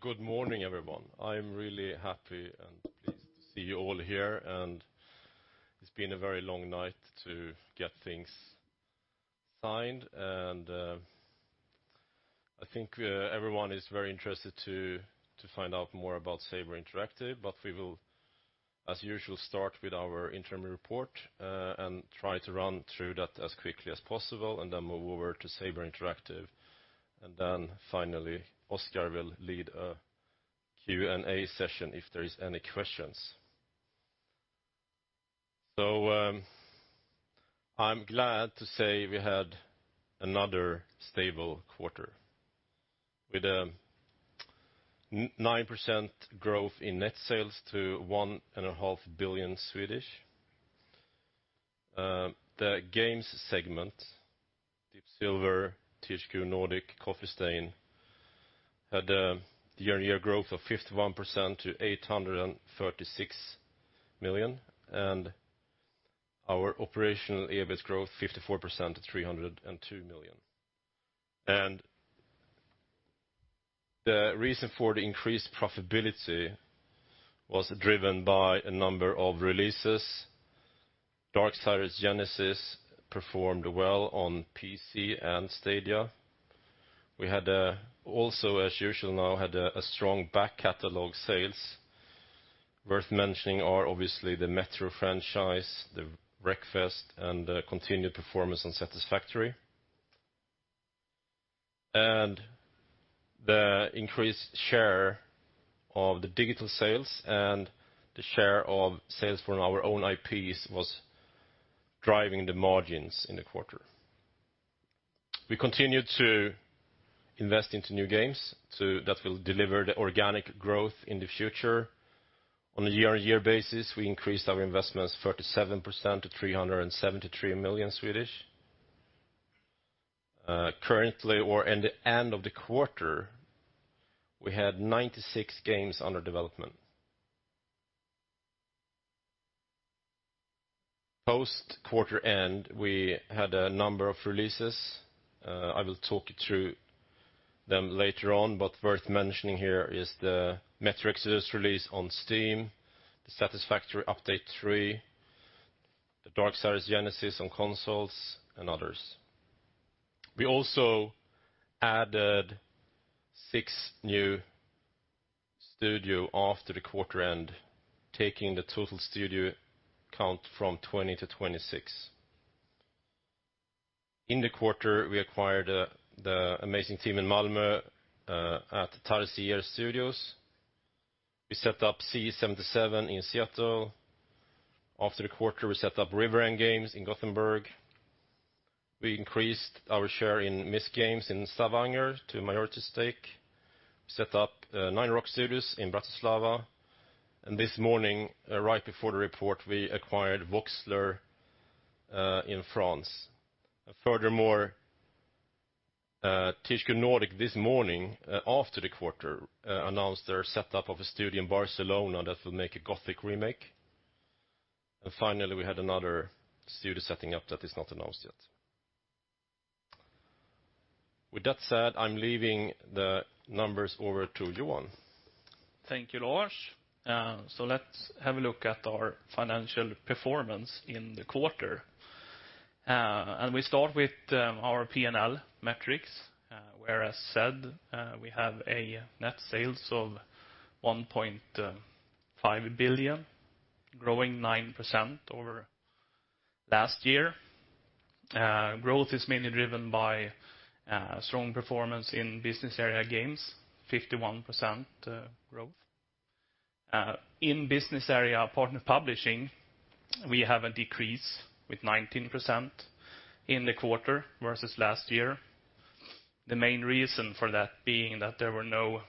Good morning, everyone. I'm really happy and pleased to see you all here. It's been a very long night to get things signed, and I think everyone is very interested to find out more about Saber Interactive. We will, as usual, start with our interim report, and try to run through that as quickly as possible and then move over to Saber Interactive. Finally, Oscar will lead a Q&A session if there is any questions. I'm glad to say we had another stable quarter with a 9% growth in net sales to 1.5 billion. The games segment, Deep Silver, THQ Nordic, Coffee Stain, had a year-on-year growth of 51% to 836 million, and our operational EBIT growth 54% to 302 million. The reason for the increased profitability was driven by a number of releases. Darksiders Genesis performed well on PC and Stadia. We had also, as usual now, had strong back-catalog sales. Worth mentioning are obviously the Metro franchise, the Wreckfest, and the continued performance on Satisfactory. The increased share of the digital sales and the share of sales from our own IPs was driving the margins in the quarter. We continued to invest into new games, so that will deliver the organic growth in the future. On a year-on-year basis, we increased our investments 37% to 373 million. Currently, or in the end of the quarter, we had 96 games under development. Post quarter end, we had a number of releases. I will talk you through them later on, but worth mentioning here is the Metro Exodus release on Steam, the Satisfactory Update 3, the Darksiders Genesis on consoles, and others. We also added six new studios after the quarter end, taking the total studio count from 20 to 26. In the quarter, we acquired the amazing team in Malmö at Tarsier Studios. We set up C77 in Seattle. After the quarter, we set up River End Games in Gothenburg. We increased our share in Misc Games in Stavanger to a minority stake, set up Nine Rocks Games in Bratislava, and this morning right before the report, we acquired Voxler in France. THQ Nordic this morning, after the quarter, announced their setup of a studio in Barcelona that will make a Gothic remake. Finally, we had another studio setting up that is not announced yet. With that said, I'm leaving the numbers over to Johan. Thank you, Lars. Let's have a look at our financial performance in the quarter. We start with our P&L metrics, where, as said, we have a net sales of 1.5 billion, growing 9% over last year. Growth is mainly driven by strong performance in Business Area Games, 51% growth. In Business Area Partner Publishing, we have a decrease with 19% in the quarter versus last year. The main reason for that being that there were no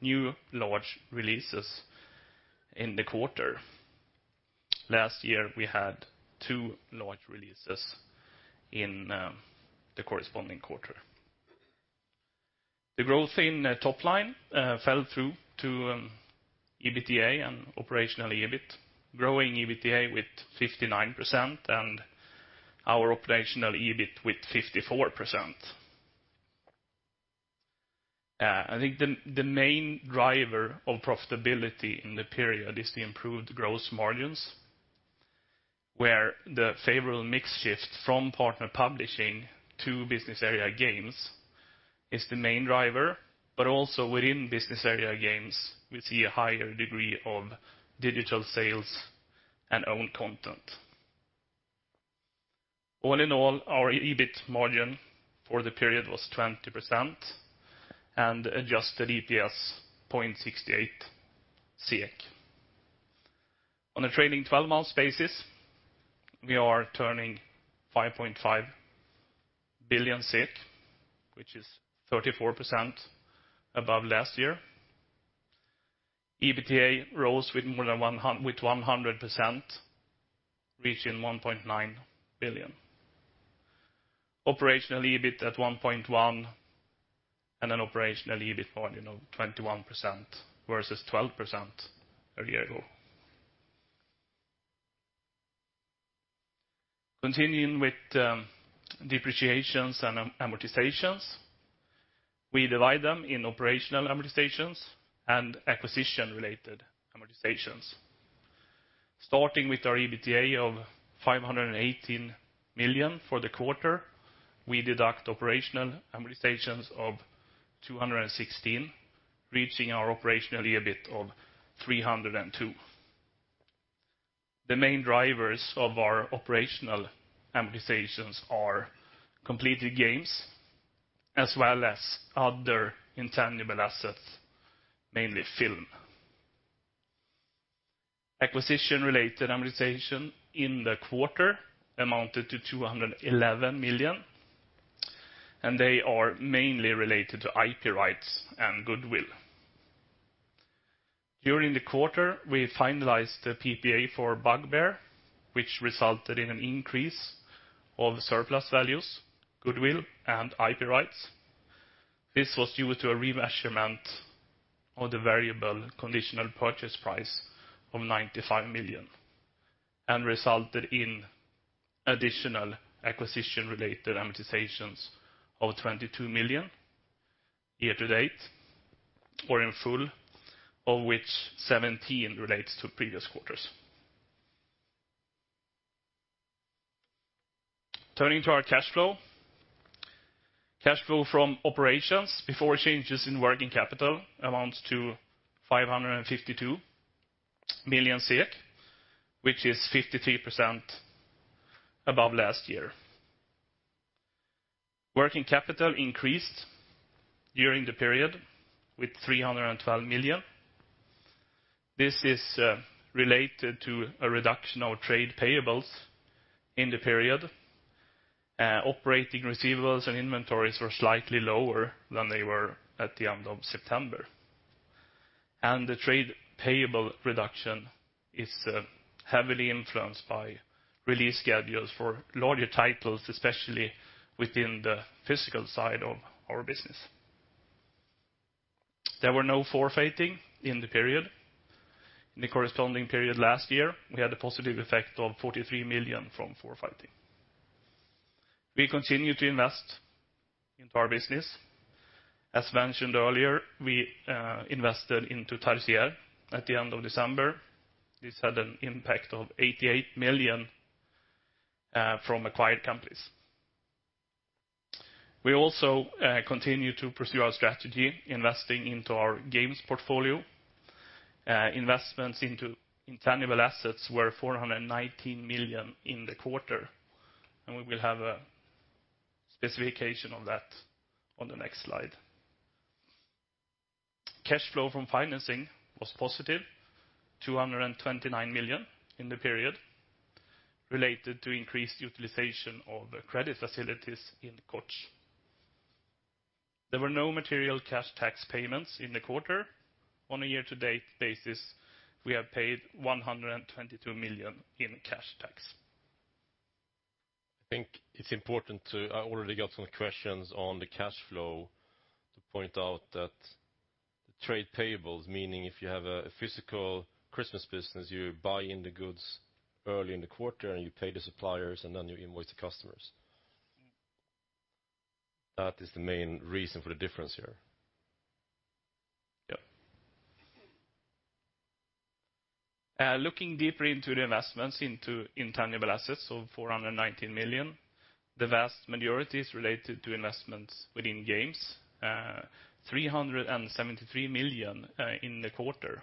new large releases in the quarter. Last year, we had two large releases in the corresponding quarter. The growth in top line fell through to EBITDA and operational EBIT. Growing EBITDA with 59% and our operational EBIT with 54%. I think the main driver of profitability in the period is the improved gross margins, where the favorable mix shift from Partner Publishing to Business Area Games is the main driver, but also within Business Area Games, we see a higher degree of digital sales and own content. All in all, our EBIT margin for the period was 20%, and adjusted EPS, SEK 0.68. On a trailing 12 months basis, we are turning 5.5 billion, which is 34% above last year. EBITDA rose with 100%, reaching 1.9 billion. Operational EBIT at 1.1 billion and an operational EBIT margin of 21% versus 12% a year ago. Continuing with depreciations and amortizations. We divide them in operational amortizations and acquisition-related amortizations. Starting with our EBITDA of 518 million for the quarter, we deduct operational amortizations of 216 million, reaching our operational EBIT of 302 million. The main drivers of our operational amortizations are completed games as well as other intangible assets, mainly film. Acquisition-related amortization in the quarter amounted to 211 million, and they are mainly related to IP rights and goodwill. During the quarter, we finalized the PPA for Bugbear, which resulted in an increase of surplus values, goodwill, and IP rights. This was due to a remeasurement of the variable conditional purchase price of 95 million and resulted in additional acquisition-related amortizations of 22 million year to date, or in full, of which 17 relates to previous quarters. Turning to our cash flow. Cash flow from operations before changes in working capital amounts to 552 million, which is 53% above last year. Working capital increased during the period with 312 million. This is related to a reduction of trade payables in the period. Operating receivables and inventories were slightly lower than they were at the end of September. The trade payable reduction is heavily influenced by release schedules for larger titles, especially within the physical side of our business. There were no forfaiting in the period. In the corresponding period last year, we had a positive effect of 43 million from forfaiting. We continue to invest into our business. As mentioned earlier, we invested into Tarsier at the end of December. This had an impact of 88 million from acquired companies. We also continue to pursue our strategy, investing into our games portfolio. Investments into intangible assets were 419 million in the quarter, and we will have a specification of that on the next slide. Cash flow from financing was positive, 229 million in the period, related to increased utilization of the credit facilities in Koch. There were no material cash tax payments in the quarter. On a year-to-date basis, we have paid 122 million in cash tax. I already got some questions on the cash flow to point out that trade payables, meaning if you have a physical Christmas business, you buy in the goods early in the quarter and you pay the suppliers, and then you invoice the customers. That is the main reason for the difference here. Yeah. Looking deeper into the investments into intangible assets of 419 million, the vast majority is related to investments within games, 373 million in the quarter.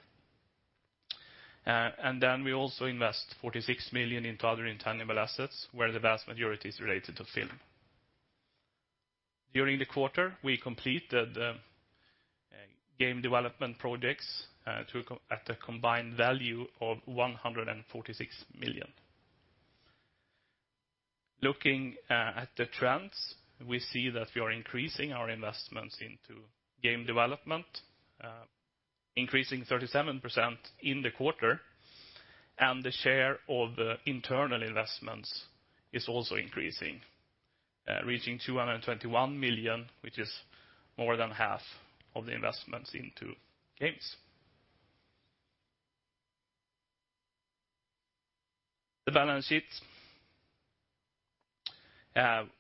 We also invest 46 million into other intangible assets where the vast majority is related to film. During the quarter, we completed game development projects at a combined value of 146 million. Looking at the trends, we see that we are increasing our investments into game development, increasing 37% in the quarter, and the share of the internal investments is also increasing, reaching 221 million, which is more than half of the investments into games. The balance sheet.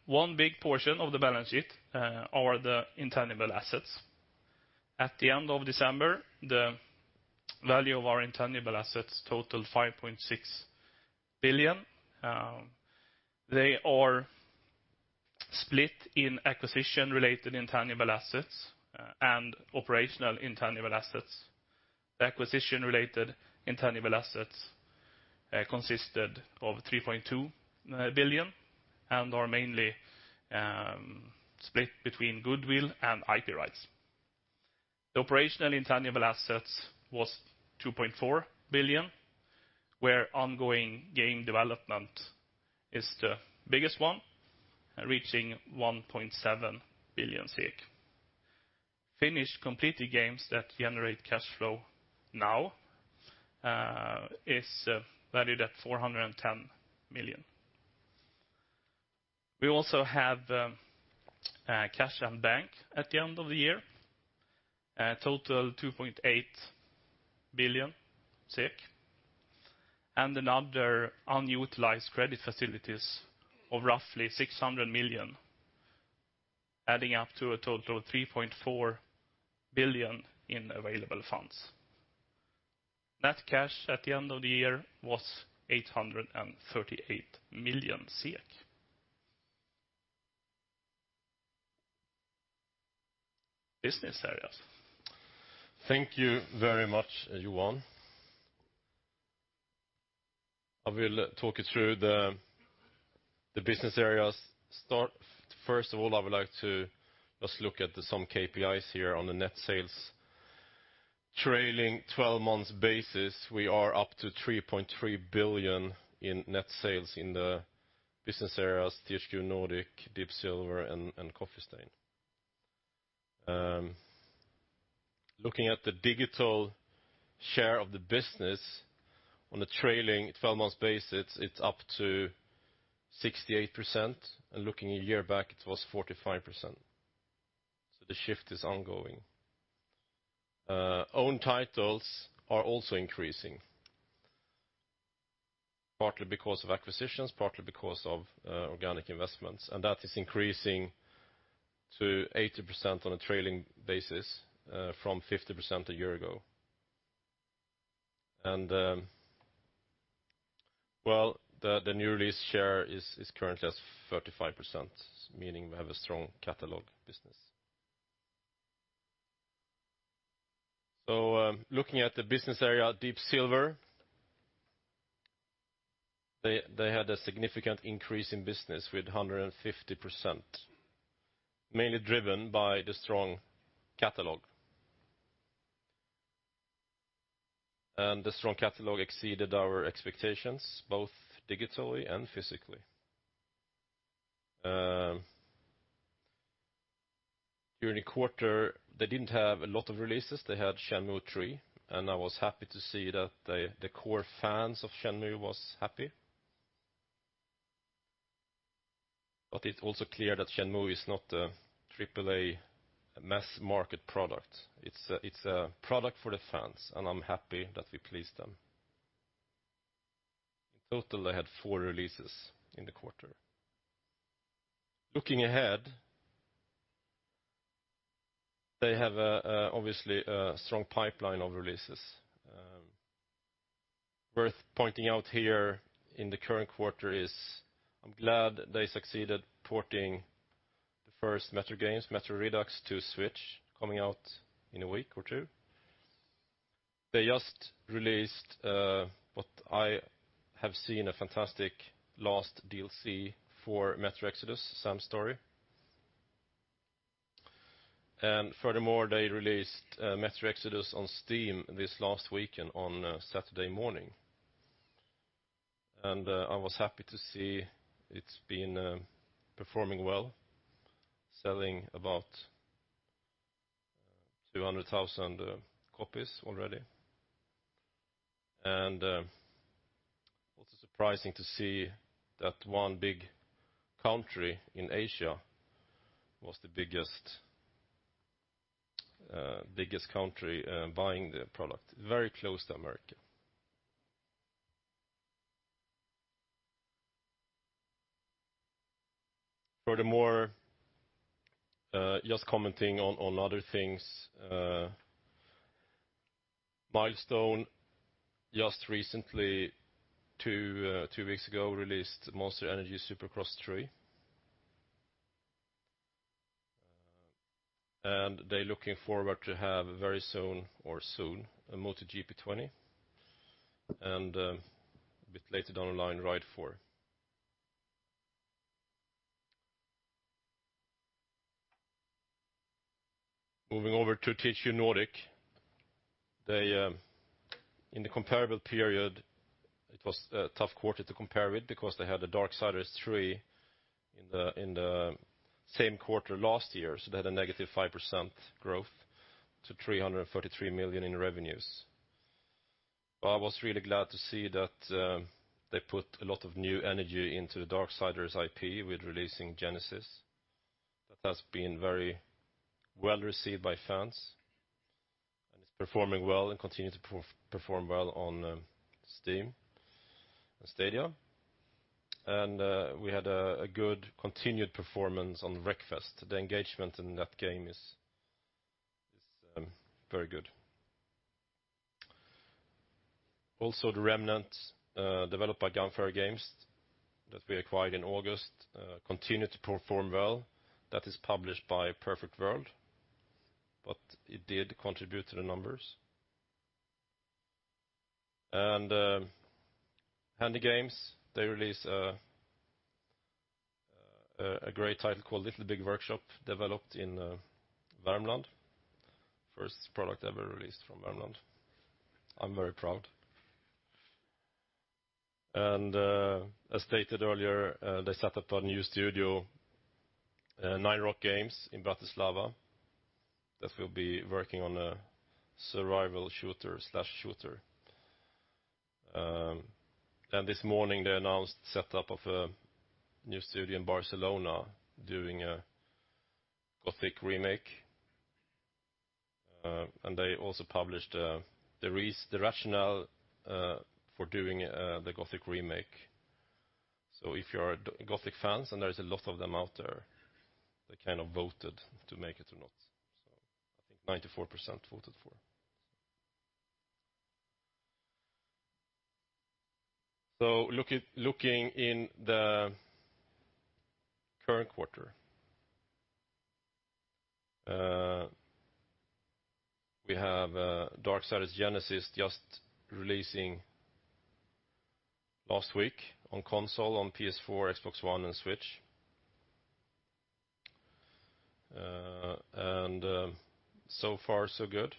One big portion of the balance sheet are the intangible assets. At the end of December, the value of our intangible assets totaled 5.6 billion. They are split in acquisition-related intangible assets and operational intangible assets. Acquisition-related intangible assets consisted of 3.2 billion and are mainly split between goodwill and IP rights. The operational intangible assets was 2.4 billion, where ongoing game development is the biggest one, reaching 1.7 billion SEK. Finished completed games that generate cash flow now is valued at 410 million. We also have cash on bank at the end of the year, a total of SEK 2.8 billion, and another unutilized credit facilities of roughly 600 million, adding up to a total of 3.4 billion in available funds. Net cash at the end of the year was 838 million SEK. Business areas. Thank you very much, Johan. I will talk you through the business areas. First of all, I would like to just look at some KPIs here on the net sales. Trailing 12 months basis, we are up to 3.3 billion in net sales in the business areas, THQ Nordic, Deep Silver, and Coffee Stain. Looking at the digital share of the business on the trailing 12 months basis, it's up to 68%, and looking a year back, it was 45%. The shift is ongoing. Own titles are also increasing, partly because of acquisitions, partly because of organic investments. That is increasing to 80% on a trailing basis from 50% a year ago. The new release share is currently at 35%, meaning we have a strong catalog business. Looking at the business area of Deep Silver, they had a significant increase in business with 150%, mainly driven by the strong catalog. The strong catalog exceeded our expectations, both digitally and physically. During the quarter, they did not have a lot of releases. They had "Shenmue III," and I was happy to see that the core fans of Shenmue was happy. It is also clear that Shenmue is not a triple-A mass-market product. It is a product for the fans, and I am happy that we pleased them. In total, they had four releases in the quarter. Looking ahead, they have obviously a strong pipeline of releases. Worth pointing out here in the current quarter is I am glad they succeeded porting the first Metro games, "Metro Redux" to Switch, coming out in a week or two. They just released what I have seen a fantastic last DLC for Metro Exodus, Sam's Story. Furthermore, they released Metro Exodus on Steam this last weekend on Saturday morning. I was happy to see it's been performing well, selling about 200,000 copies already, and also surprising to see that one big country in Asia was the biggest country buying the product, very close to America. Furthermore, just commenting on other things, Milestone just recently, two weeks ago, released Monster Energy Supercross 3. They're looking forward to have very soon, or soon, a MotoGP 20, and a bit later down the line, Ride 4. Moving over to THQ Nordic. In the comparable period, it was a tough quarter to compare with because they had the Darksiders III in the same quarter last year, so they had a negative 5% growth to 343 million in revenues. I was really glad to see that they put a lot of new energy into the Darksiders IP with releasing Genesis. That has been very well-received by fans, and it's performing well and continue to perform well on Steam and Stadia. We had a good continued performance on Wreckfest. The engagement in that game is very good. Also, The Remnant, developed by Gunfire Games that we acquired in August, continue to perform well. That is published by Perfect World, but it did contribute to the numbers. HandyGames, they released a great title called Little Big Workshop, developed in Värmland. First product ever released from Värmland. I'm very proud. As stated earlier, they set up a new studio, Nine Rocks Games, in Bratislava, that will be working on a survival shooter/shooter. This morning they announced the setup of a new studio in Barcelona doing a Gothic remake. They also published the rationale for doing the Gothic remake. If you're a Gothic fan, and there's a lot of them out there, they voted to make it or not. I think 94% voted for. Looking in the current quarter. We have Darksiders Genesis just releasing last week on console on PS4, Xbox One and Switch. So far so good.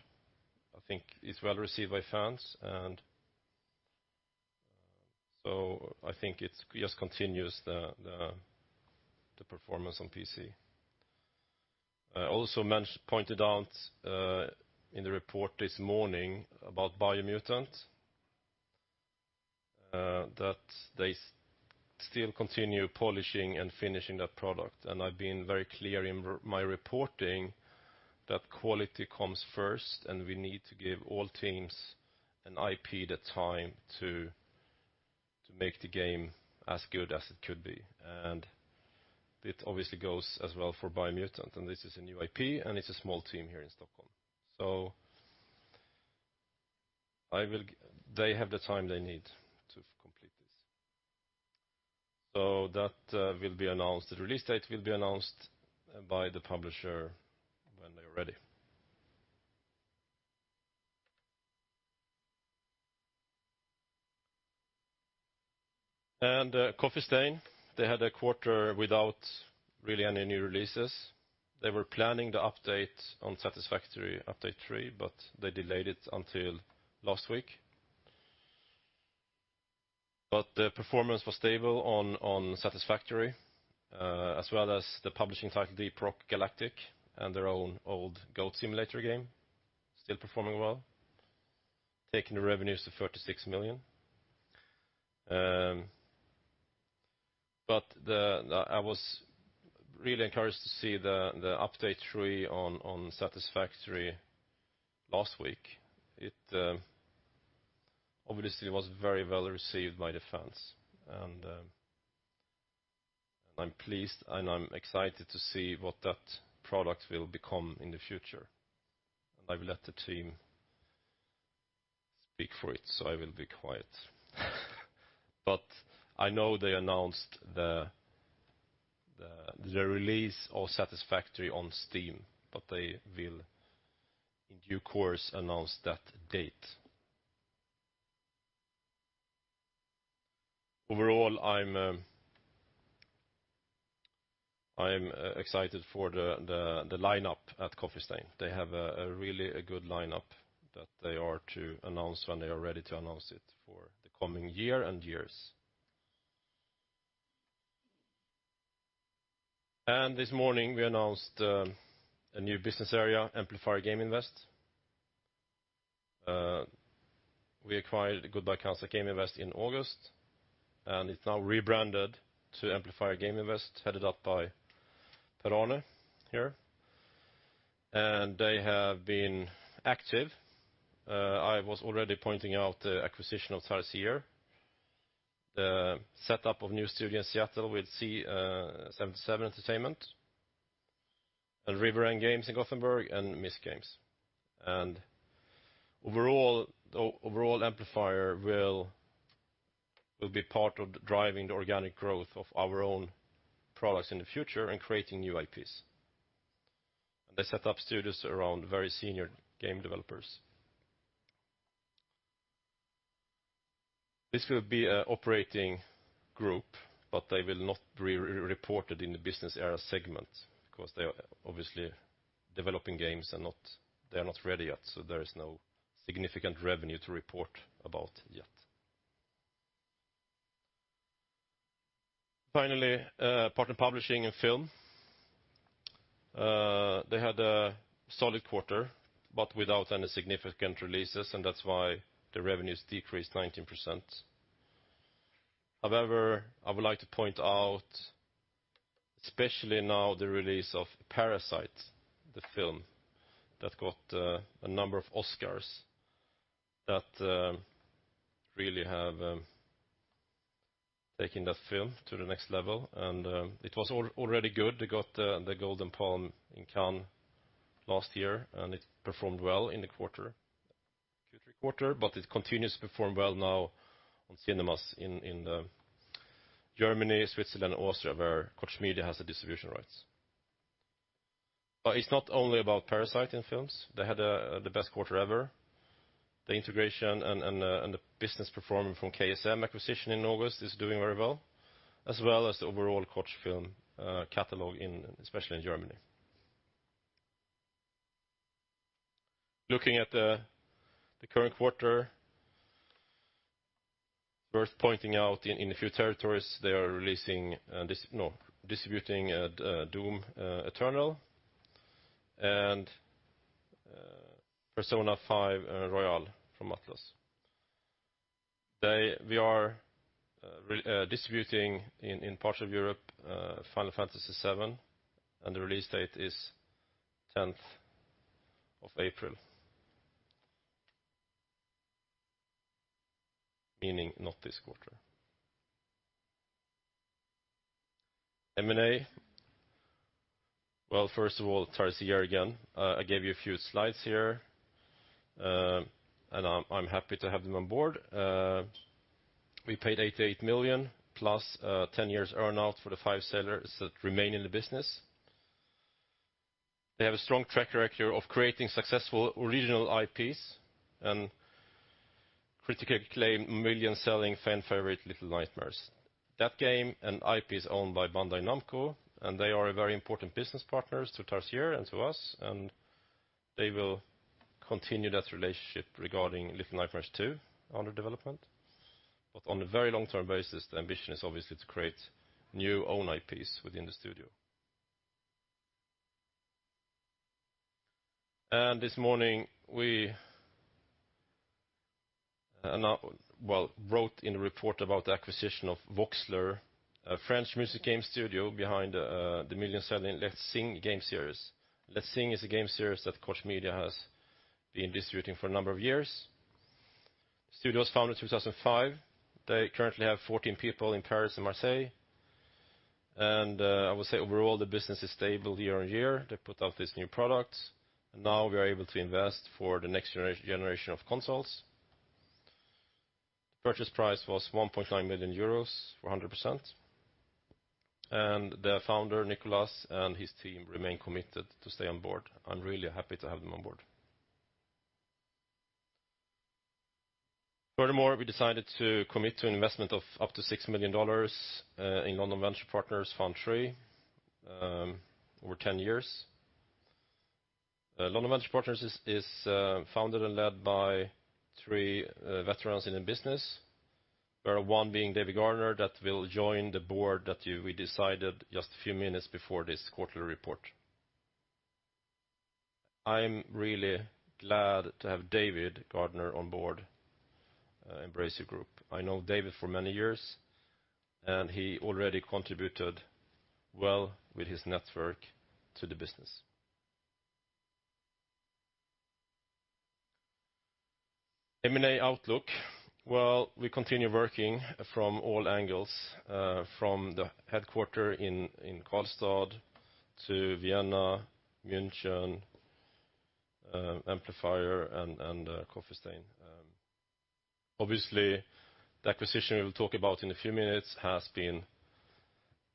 I think it's well-received by fans. I think it just continues the performance on PC. I also pointed out in the report this morning about Biomutant, that they still continue polishing and finishing that product. I've been very clear in my reporting that quality comes first and we need to give all teams an IP the time to make the game as good as it could be. It obviously goes as well for Biomutant, and this is a new IP, and it's a small team here in Stockholm. They have the time they need to complete this. The release date will be announced by the publisher when they're ready. Coffee Stain, they had a quarter without really any new releases. They were planning the update on Satisfactory update three, but they delayed it until last week. The performance was stable on Satisfactory, as well as the publishing title, Deep Rock Galactic, and their own old Goat Simulator game, still performing well, taking the revenues to 36 million. I was really encouraged to see the update three on Satisfactory last week. It obviously was very well-received by the fans, and I'm pleased and I'm excited to see what that product will become in the future. I will let the team speak for it, so I will be quiet. I know they announced the release of Satisfactory on Steam, but they will in due course announce that date. Overall, I'm excited for the lineup at Coffee Stain. They have a really good lineup that they are to announce when they are ready to announce it for the coming year and years. This morning we announced a new business area, Amplifier Game Invest. We acquired Goodbye Kansas Game Invest in August, and it's now rebranded to Amplifier Game Invest, headed up by Per-Arne here. They have been active. I was already pointing out the acquisition of Tarsier here. The setup of new studio in Seattle with C77 Entertainment. River End Games in Gothenburg and Misc Games. Overall, Amplifier will be part of driving the organic growth of our own products in the future and creating new IPs. They set up studios around very senior game developers. This will be an operating group, they will not be reported in the business area segment because they are obviously developing games and they are not ready yet, there is no significant revenue to report about yet. Finally, partner publishing and film. They had a solid quarter, without any significant releases, that's why the revenues decreased 19%. However, I would like to point out, especially now, the release of "Parasite," the film that got a number of Oscars that really have taken that film to the next level, it was already good. It got the Palme d'Or in Cannes last year. It performed well in the Q3 quarter, but it continues to perform well now on cinemas in Germany, Switzerland, and Austria, where Koch Media has the distribution rights. It is not only about "Parasite" in films. They had the best quarter ever. The integration and the business performance from KSM acquisition in August is doing very well, as well as the overall Koch Films catalog, especially in Germany. Looking at the current quarter, worth pointing out in a few territories, they are distributing "Doom Eternal." Persona 5 and Royal from Atlus. We are distributing in parts of Europe, Final Fantasy VII, and the release date is 10th of April. Meaning not this quarter. M&A. First of all, Tarsier again. I gave you a few slides here, and I am happy to have them on board. We paid 88 million plus 10 years earn-out for the five sellers that remain in the business. They have a strong track record of creating successful original IPs and critically acclaim million-selling fan-favorite Little Nightmares. That game and IP is owned by Bandai Namco, and they are a very important business partner to Tarsier and to us, and they will continue that relationship regarding Little Nightmares II under development. On a very long-term basis, the ambition is obviously to create new own IPs within the studio. This morning, we wrote in a report about the acquisition of Voxler, a French music game studio behind the million-selling Let's Sing game series. Let's Sing is a game series that Koch Media has been distributing for a number of years. Studio was founded in 2005. They currently have 14 people in Paris and Marseille. I would say overall, the business is stable year on year. They put out these new products. Now we are able to invest for the next generation of consoles. Purchase price was 1.9 million euros for 100%. The founder, Nicolas, and his team remain committed to stay on board. I am really happy to have them on board. Furthermore, we decided to commit to an investment of up to $6 million in London Venture Partners Fund III over 10 years. London Venture Partners is founded and led by three veterans in the business. There are one being David Gardner that will join the board that we decided just a few minutes before this quarterly report. I am really glad to have David Gardner on board Embracer Group. I know David for many years, and he already contributed well with his network to the business. M&A outlook. Well, we continue working from all angles, from the headquarter in Karlstad to Vienna, München, Amplifier, and Coffee Stain. The acquisition we'll talk about in a few minutes has been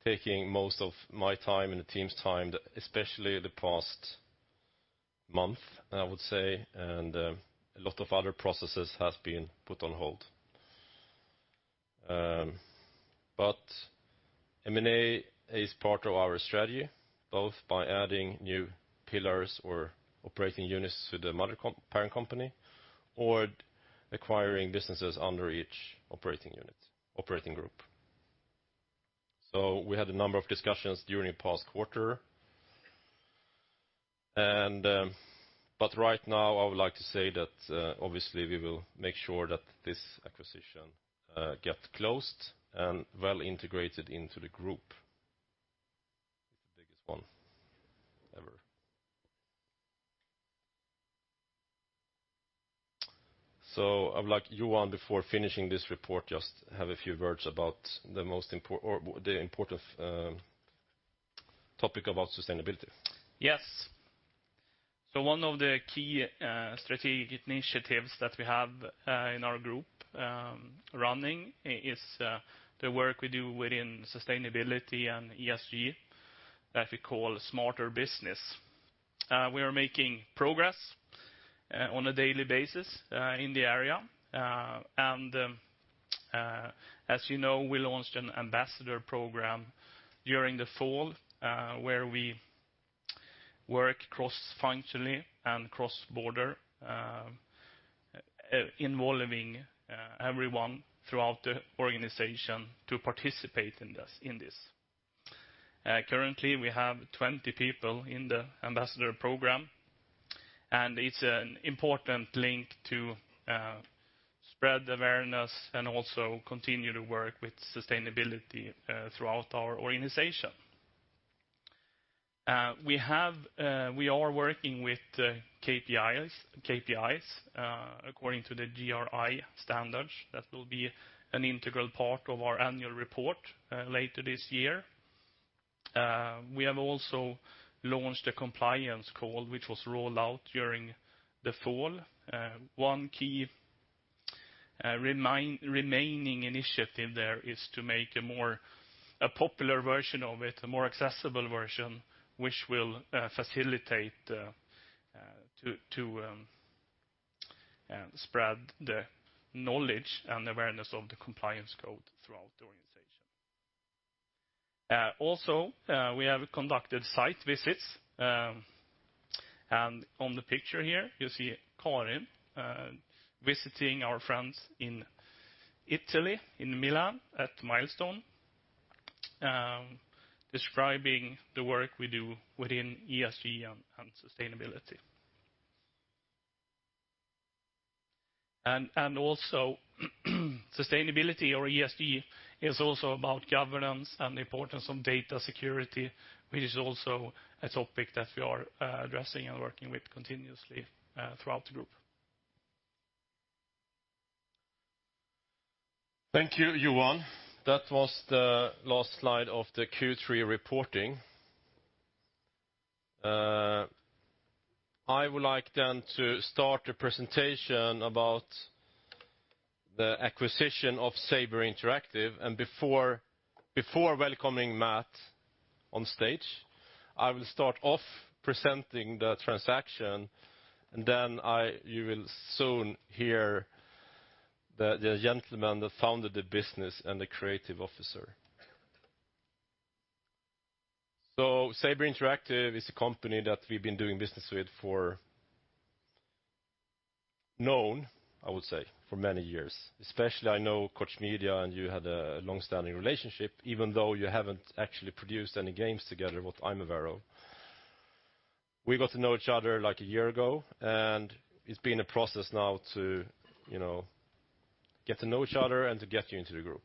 taking most of my time and the team's time, especially the past month, I would say, and a lot of other processes have been put on hold. M&A is part of our strategy, both by adding new pillars or operating units to the parent company or acquiring businesses under each operating group. We had a number of discussions during the past quarter. Right now, I would like to say that obviously we will make sure that this acquisition gets closed and well integrated into the group. The biggest one ever. I would like you, Johan, before finishing this report, just have a few words about the most important topic about sustainability. Yes. One of the key strategic initiatives that we have in our group running is the work we do within sustainability and ESG that we call Smarter Business. We are making progress on a daily basis in the area. As you know, we launched an Ambassador Program during the fall, where we work cross-functionally and cross-border, involving everyone throughout the organization to participate in this. Currently, we have 20 people in the Ambassador Program, and it's an important link to spread awareness and also continue to work with sustainability throughout our organization. We are working with KPIs according to the GRI standards. That will be an integral part of our annual report later this year. We have also launched a compliance call, which was rolled out during the fall. One key remaining initiative there is to make a popular version of it, a more accessible version, which will facilitate to spread the knowledge and awareness of the compliance code throughout the organization. We have conducted site visits. On the picture here, you see Karin visiting our friends in Italy, in Milan at Milestone. Describing the work we do within ESG and sustainability. Sustainability or ESG is also about governance and the importance of data security, which is also a topic that we are addressing and working with continuously throughout the group. Thank you, Johan. That was the last slide of the Q3 reporting. I would like to start a presentation about the acquisition of Saber Interactive. Before welcoming Matt on stage, I will start off presenting the transaction. You will soon hear the gentleman that founded the business and the creative officer. Saber Interactive is a company that we've been doing business with, known, I would say, for many years. Especially I know Koch Media and you had a long-standing relationship, even though you haven't actually produced any games together with [Imavero]. We got to know each other a year ago. It's been a process now to get to know each other and to get you into the group.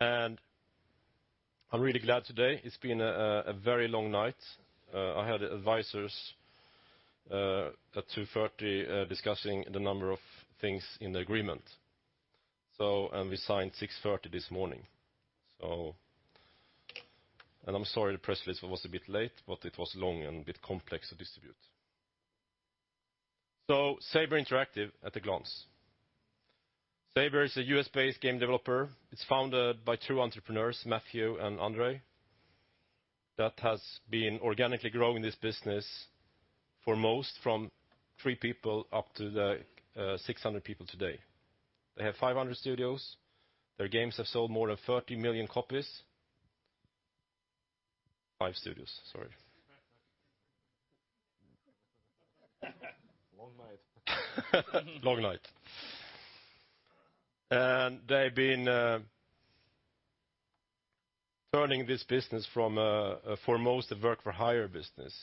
I'm really glad today. It's been a very long night. I had advisors at 2:30 discussing the number of things in the agreement. We signed 6:30 A.M. this morning. I'm sorry the press list was a bit late, but it was long and a bit complex to distribute. Saber Interactive at a glance. Saber is a U.S.-based game developer. It's founded by two entrepreneurs, Matthew and Andrey, that has been organically growing this business for most from three people up to the 600 people today. They have 500 studios. Their games have sold more than 30 million copies. Five studios. Sorry. Long night. Long night. They've been turning this business from a foremost work-for-hire business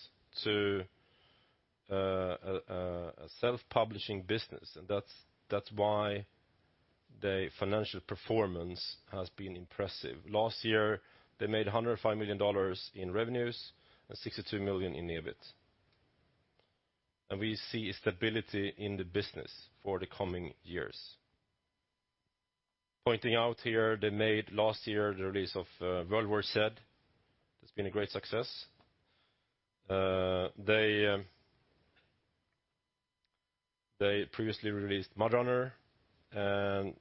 to a self-publishing business, and that's why their financial performance has been impressive. Last year, they made $105 million in revenues and $62 million in EBIT. We see stability in the business for the coming years. Pointing out here, they made last year the release of World War Z. It's been a great success. They previously released MudRunner, and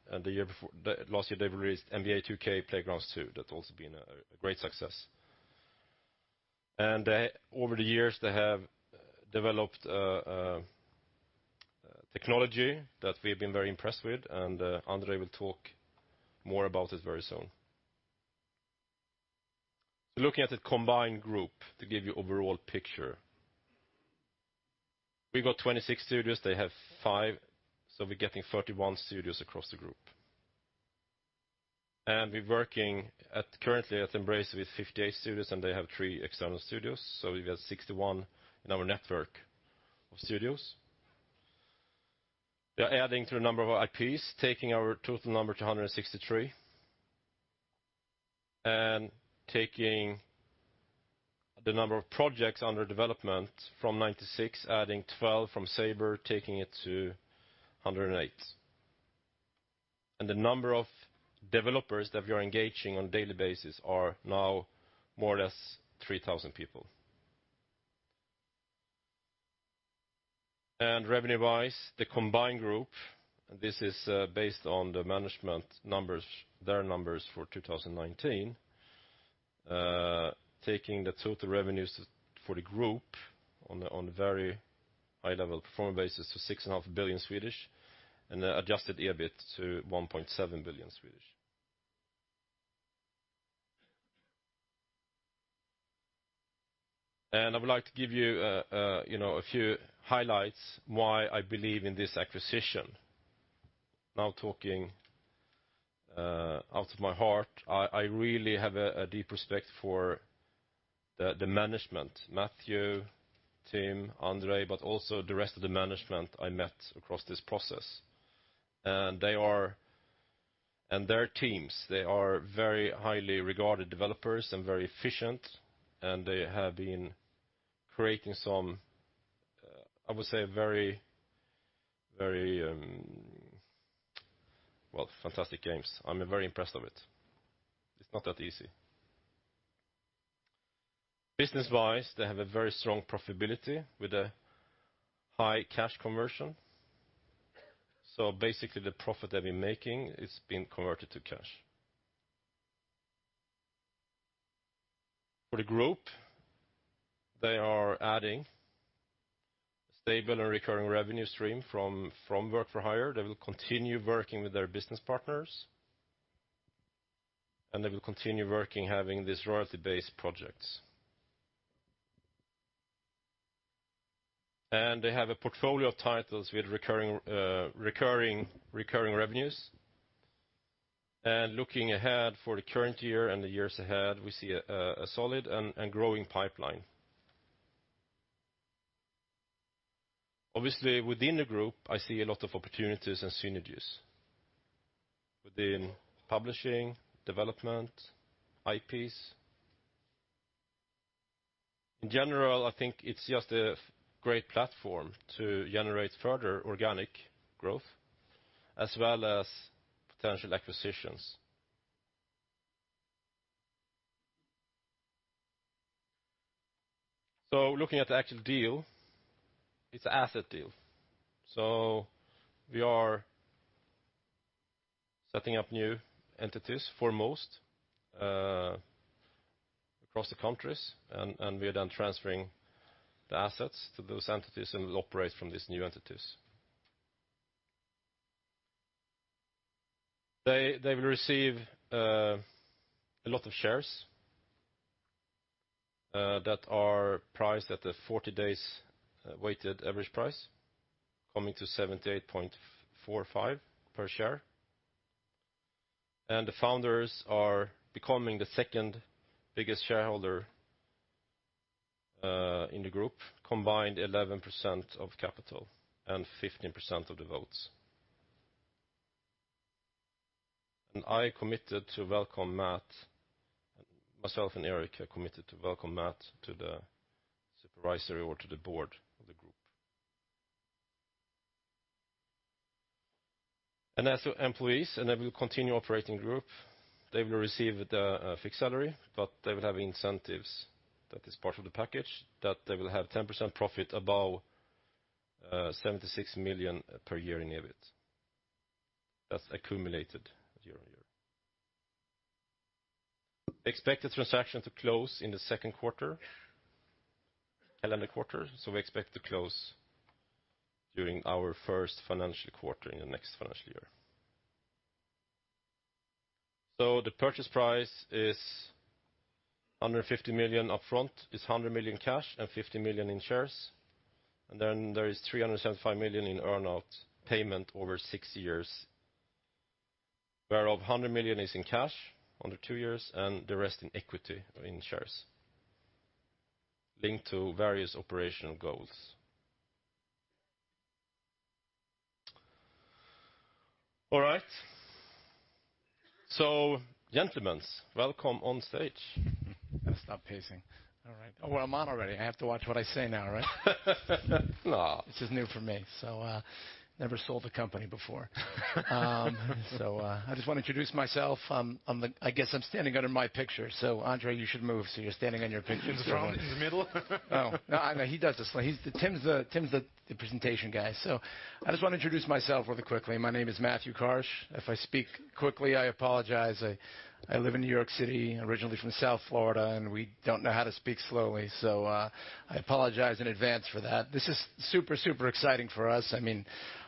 last year they've released NBA 2K Playgrounds 2. That's also been a great success. Over the years, they have developed a technology that we've been very impressed with, and Andrey will talk more about it very soon. Looking at the combined group to give you overall picture. We've got 26 studios, they have five, so we're getting 31 studios across the group. We're working currently at Embracer with 58 studios, and they have three external studios, so we've got 61 in our network of studios. They're adding to the number of IPs, taking our total number to 163, and taking the number of projects under development from 96, adding 12 from Saber, taking it to 108. The number of developers that we are engaging on daily basis are now more or less 3,000 people. Revenue-wise, the combined group, and this is based on the management numbers, their numbers for 2019, taking the total revenues for the group on a very high-level performance basis to 6.5 billion, and adjusted EBIT to 1.7 billion. I would like to give you a few highlights why I believe in this acquisition. Now talking out of my heart, I really have a deep respect for the management, Matthew, Tim, Andrey, but also the rest of the management I met across this process. Their teams, they are very highly regarded developers and very efficient, and they have been creating some, I would say very fantastic games. I'm very impressed of it. It's not that easy. Business-wise, they have a very strong profitability with a high cash conversion. Basically, the profit they've been making, it's been converted to cash. For the group, they are adding stable and recurring revenue stream from work for hire. They will continue working with their business partners. They will continue working having these royalty-based projects. They have a portfolio of titles with recurring revenues. Looking ahead for the current year and the years ahead, we see a solid and growing pipeline. Obviously, within the group, I see a lot of opportunities and synergies within publishing, development, IPs. In general, I think it's just a great platform to generate further organic growth as well as potential acquisitions. Looking at the actual deal, it's an asset deal. We are setting up new entities for most across the countries, and we are done transferring the assets to those entities and will operate from these new entities. They will receive a lot of shares that are priced at the 40-day weighted average price, coming to 78.45 per share. The founders are becoming the second-biggest shareholder in the group, combined 11% of capital and 15% of the votes. I committed to welcome Matt. Myself and Erik are committed to welcome Matt to the supervisory or to the board of the group. As for employees, they will continue operating group, they will receive the fixed salary, but they will have incentives that is part of the package, they will have 10% profit above 76 million per year in EBIT. That's accumulated year on year. We expect the transaction to close in the second quarter, calendar quarter. We expect to close during our first financial quarter in the next financial year. The purchase price is 150 million up front, is 100 million cash and 50 million in shares. Then there is 375 million in earn out payment over six years, whereof 100 million is in cash under two years, and the rest in equity, in shares linked to various operational goals. All right. Gentlemen, welcome on stage. I'm going to stop pacing. All right. Oh, well, I'm on already. I have to watch what I say now, right? No. This is new for me, never sold a company before. I just want to introduce myself. I guess I'm standing under my picture. Andrey, you should move so you're standing on your picture. You want me in the middle? Oh, no, he does this. Tim's the presentation guy. I just want to introduce myself really quickly. My name is Matthew Karch. If I speak quickly, I apologize. I live in New York City, originally from South Florida, and we don't know how to speak slowly, so I apologize in advance for that. This is super exciting for us.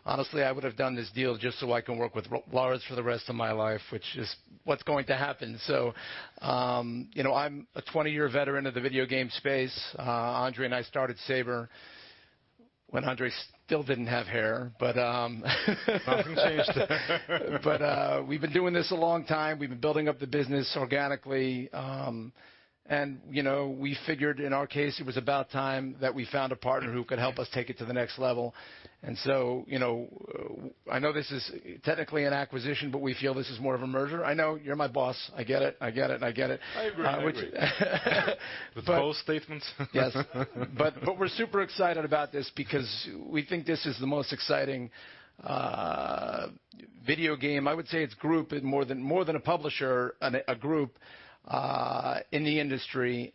Honestly, I would have done this deal just so I can work with Lars for the rest of my life, which is what's going to happen. I'm a 20-year veteran of the video game space. Andrey and I started Saber when Andrey still didn't have hair, but- Nothing changed. We've been doing this a long time. We've been building up the business organically. We figured in our case, it was about time that we found a partner who could help us take it to the next level. I know this is technically an acquisition, but we feel this is more of a merger. I know, you're my boss. I get it. I agree. Which-- With both statements. Yes. We're super excited about this because we think this is the most exciting video game, I would say it's group, more than a publisher, and a group in the industry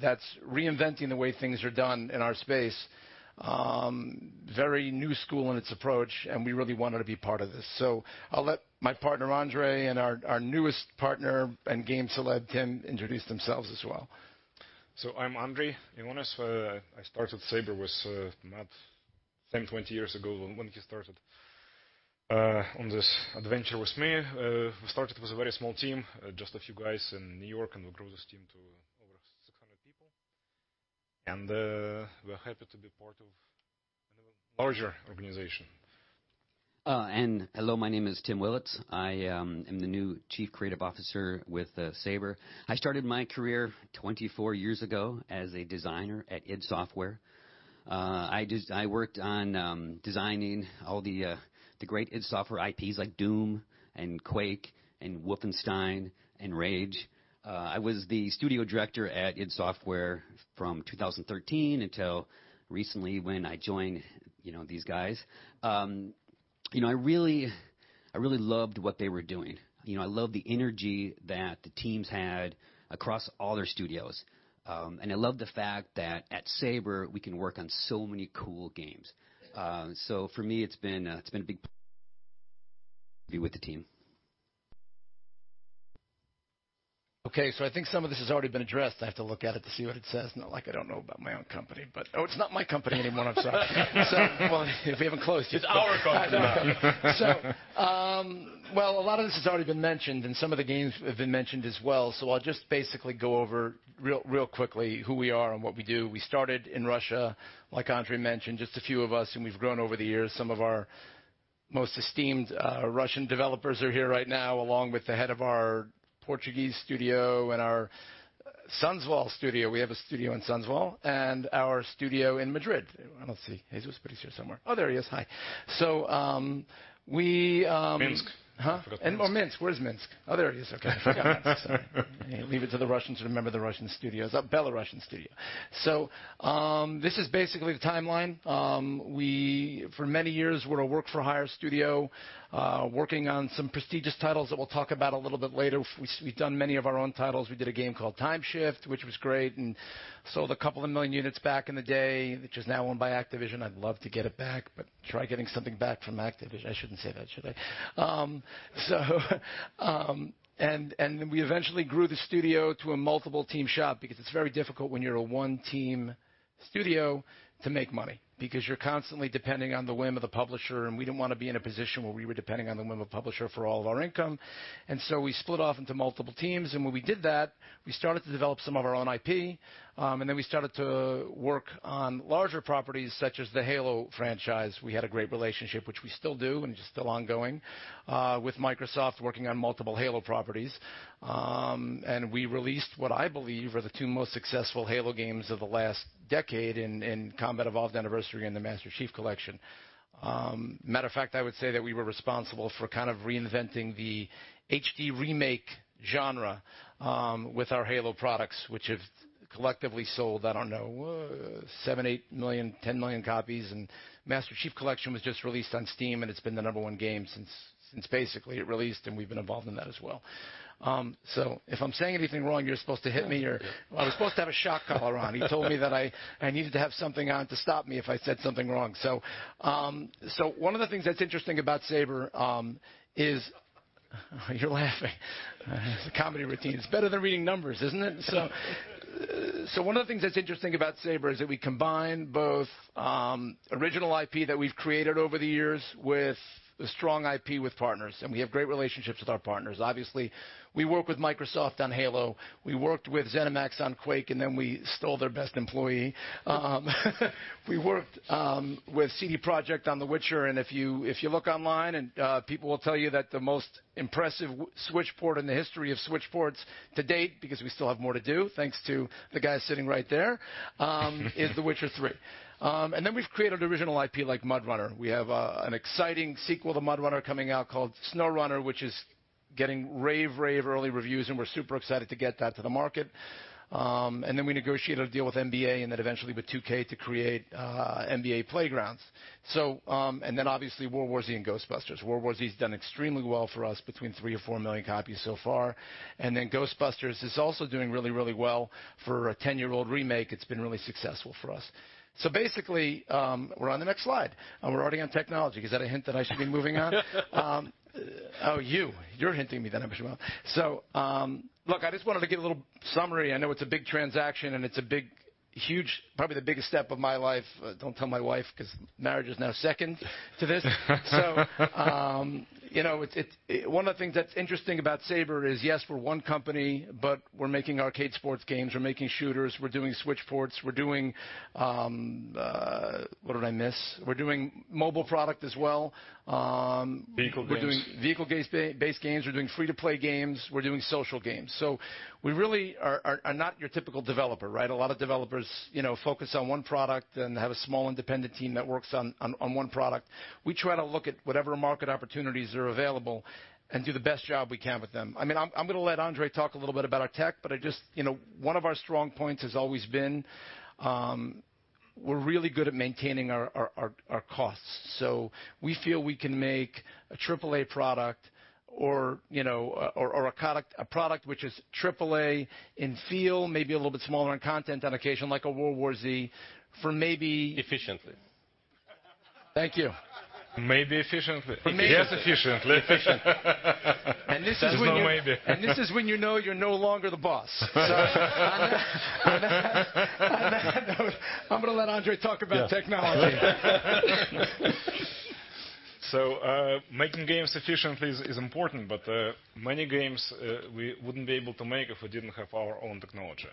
that's reinventing the way things are done in our space. Very new school in its approach, and we really wanted to be part of this. I'll let my partner Andrey and our newest partner and game celeb, Tim, introduce themselves as well. I'm Andrey Iones. I started Saber with Matt 10, 20 years ago, when he started on this adventure with me. We started with a very small team, just a few guys in New York, and we grew this team to over 600 people. We're happy to be part of a larger organization. Hello, my name is Tim Willits. I am the new chief creative officer with Saber. I started my career 24 years ago as a designer at id Software. I worked on designing all the great id Software IPs like "Doom" and "Quake" and "Wolfenstein" and "Rage." I was the studio director at id Software from 2013 until recently when I joined these guys. I really loved what they were doing. I love the energy that the teams had across all their studios. I love the fact that at Saber, we can work on so many cool games. For me, it's been a big pleasure to be with the team. I think some of this has already been addressed. I have to look at it to see what it says. Not like I don't know about my own company. It's not my company anymore. I'm sorry. Well, we haven't closed yet. It's our company now. Well, a lot of this has already been mentioned, and some of the games have been mentioned as well, so I'll just basically go over real quickly who we are and what we do. We started in Russia, like Andrey mentioned, just a few of us, and we've grown over the years. Some of our most esteemed Russian developers are here right now, along with the head of our Portuguese studio and our Sundsvall studio. We have a studio in Sundsvall, and our studio in Madrid. I don't see Jesús, but he's here somewhere. Oh, there he is. Hi. Minsk. Huh? I forgot Minsk. More Minsk. Where's Minsk? There he is. Okay. I forgot Minsk. Sorry. Leave it to the Russians to remember the Russian studios, Belarusian studio. This is basically the timeline. For many years, we're a work for hire studio, working on some prestigious titles that we'll talk about a little bit later. We've done many of our own titles. We did a game called TimeShift, which was great, and sold a couple of million units back in the day, which is now owned by Activision. I'd love to get it back, but try getting something back from Activision. I shouldn't say that, should I? We eventually grew the studio to a multiple team shop because it's very difficult when you're a one-team studio to make money because you're constantly depending on the whim of the publisher, and we didn't want to be in a position where we were depending on the whim of a publisher for all of our income. We split off into multiple teams, and when we did that, we started to develop some of our own IP. We started to work on larger properties such as the Halo franchise. We had a great relationship, which we still do, and is still ongoing, with Microsoft working on multiple Halo properties. We released what I believe are the two most successful Halo games of the last decade in "Combat Evolved Anniversary" and the "Master Chief Collection." Matter of fact, I would say that we were responsible for kind of reinventing the HD remake genre with our Halo products, which have collectively sold, I don't know, seven million, eight million, 10 million copies. Master Chief Collection was just released on Steam, and it's been the number one game since basically it released, and we've been involved in that as well. If I'm saying anything wrong, you're supposed to hit me or I was supposed to have a shock collar on. He told me that I needed to have something on to stop me if I said something wrong. One of the things that's interesting about Saber is. You're laughing. It's a comedy routine. It's better than reading numbers, isn't it? One of the things that's interesting about Saber is that we combine both original IP that we've created over the years with a strong IP with partners, and we have great relationships with our partners. Obviously, we work with Microsoft on Halo. We worked with ZeniMax on Quake, and then we stole their best employee. We worked with CD Projekt on The Witcher, and if you look online and people will tell you that the most impressive Switch port in the history of Switch ports to date, because we still have more to do thanks to the guy sitting right there, is The Witcher 3. We've created original IP like MudRunner. We have an exciting sequel to MudRunner coming out called SnowRunner which is getting rave early reviews, and we're super excited to get that to the market. We negotiated a deal with NBA and then eventually with 2K to create NBA Playgrounds. Obviously World War Z and Ghostbusters. World War Z's done extremely well for us between 3 or 4 million copies so far. Ghostbusters is also doing really well for a 10-year-old remake. It's been really successful for us. Basically, we're on the next slide, and we're already on technology. Is that a hint that I should be moving on? You're hinting me, I presume. Look, I just wanted to give a little summary. I know it's a big transaction, and it's a big, huge, probably the biggest step of my life. Don't tell my wife because marriage is now second to this. One of the things that's interesting about Saber is, yes, we're one company, but we're making arcade sports games, we're making shooters, we're doing Switch ports, we're doing What did I miss? We're doing mobile product as well. Vehicle games. We're doing vehicle-based games. We're doing free-to-play games. We're doing social games. We really are not your typical developer, right? A lot of developers focus on one product and have a small independent team that works on one product. We try to look at whatever market opportunities are available and do the best job we can with them. I'm going to let Andrey talk a little bit about our tech, but one of our strong points has always been, we're really good at maintaining our costs. We feel we can make a triple-A product or a product which is triple-A in feel, maybe a little bit smaller in content on occasion, like a World War Z for maybe- Efficiently. Thank you. Maybe efficiently. Maybe efficiently. Yes, efficiently. Efficient. There's no maybe. This is when you know you're no longer the boss. On that note, I'm going to let Andrey talk about technology. Making games efficiently is important, but many games we wouldn't be able to make if we didn't have our own technology.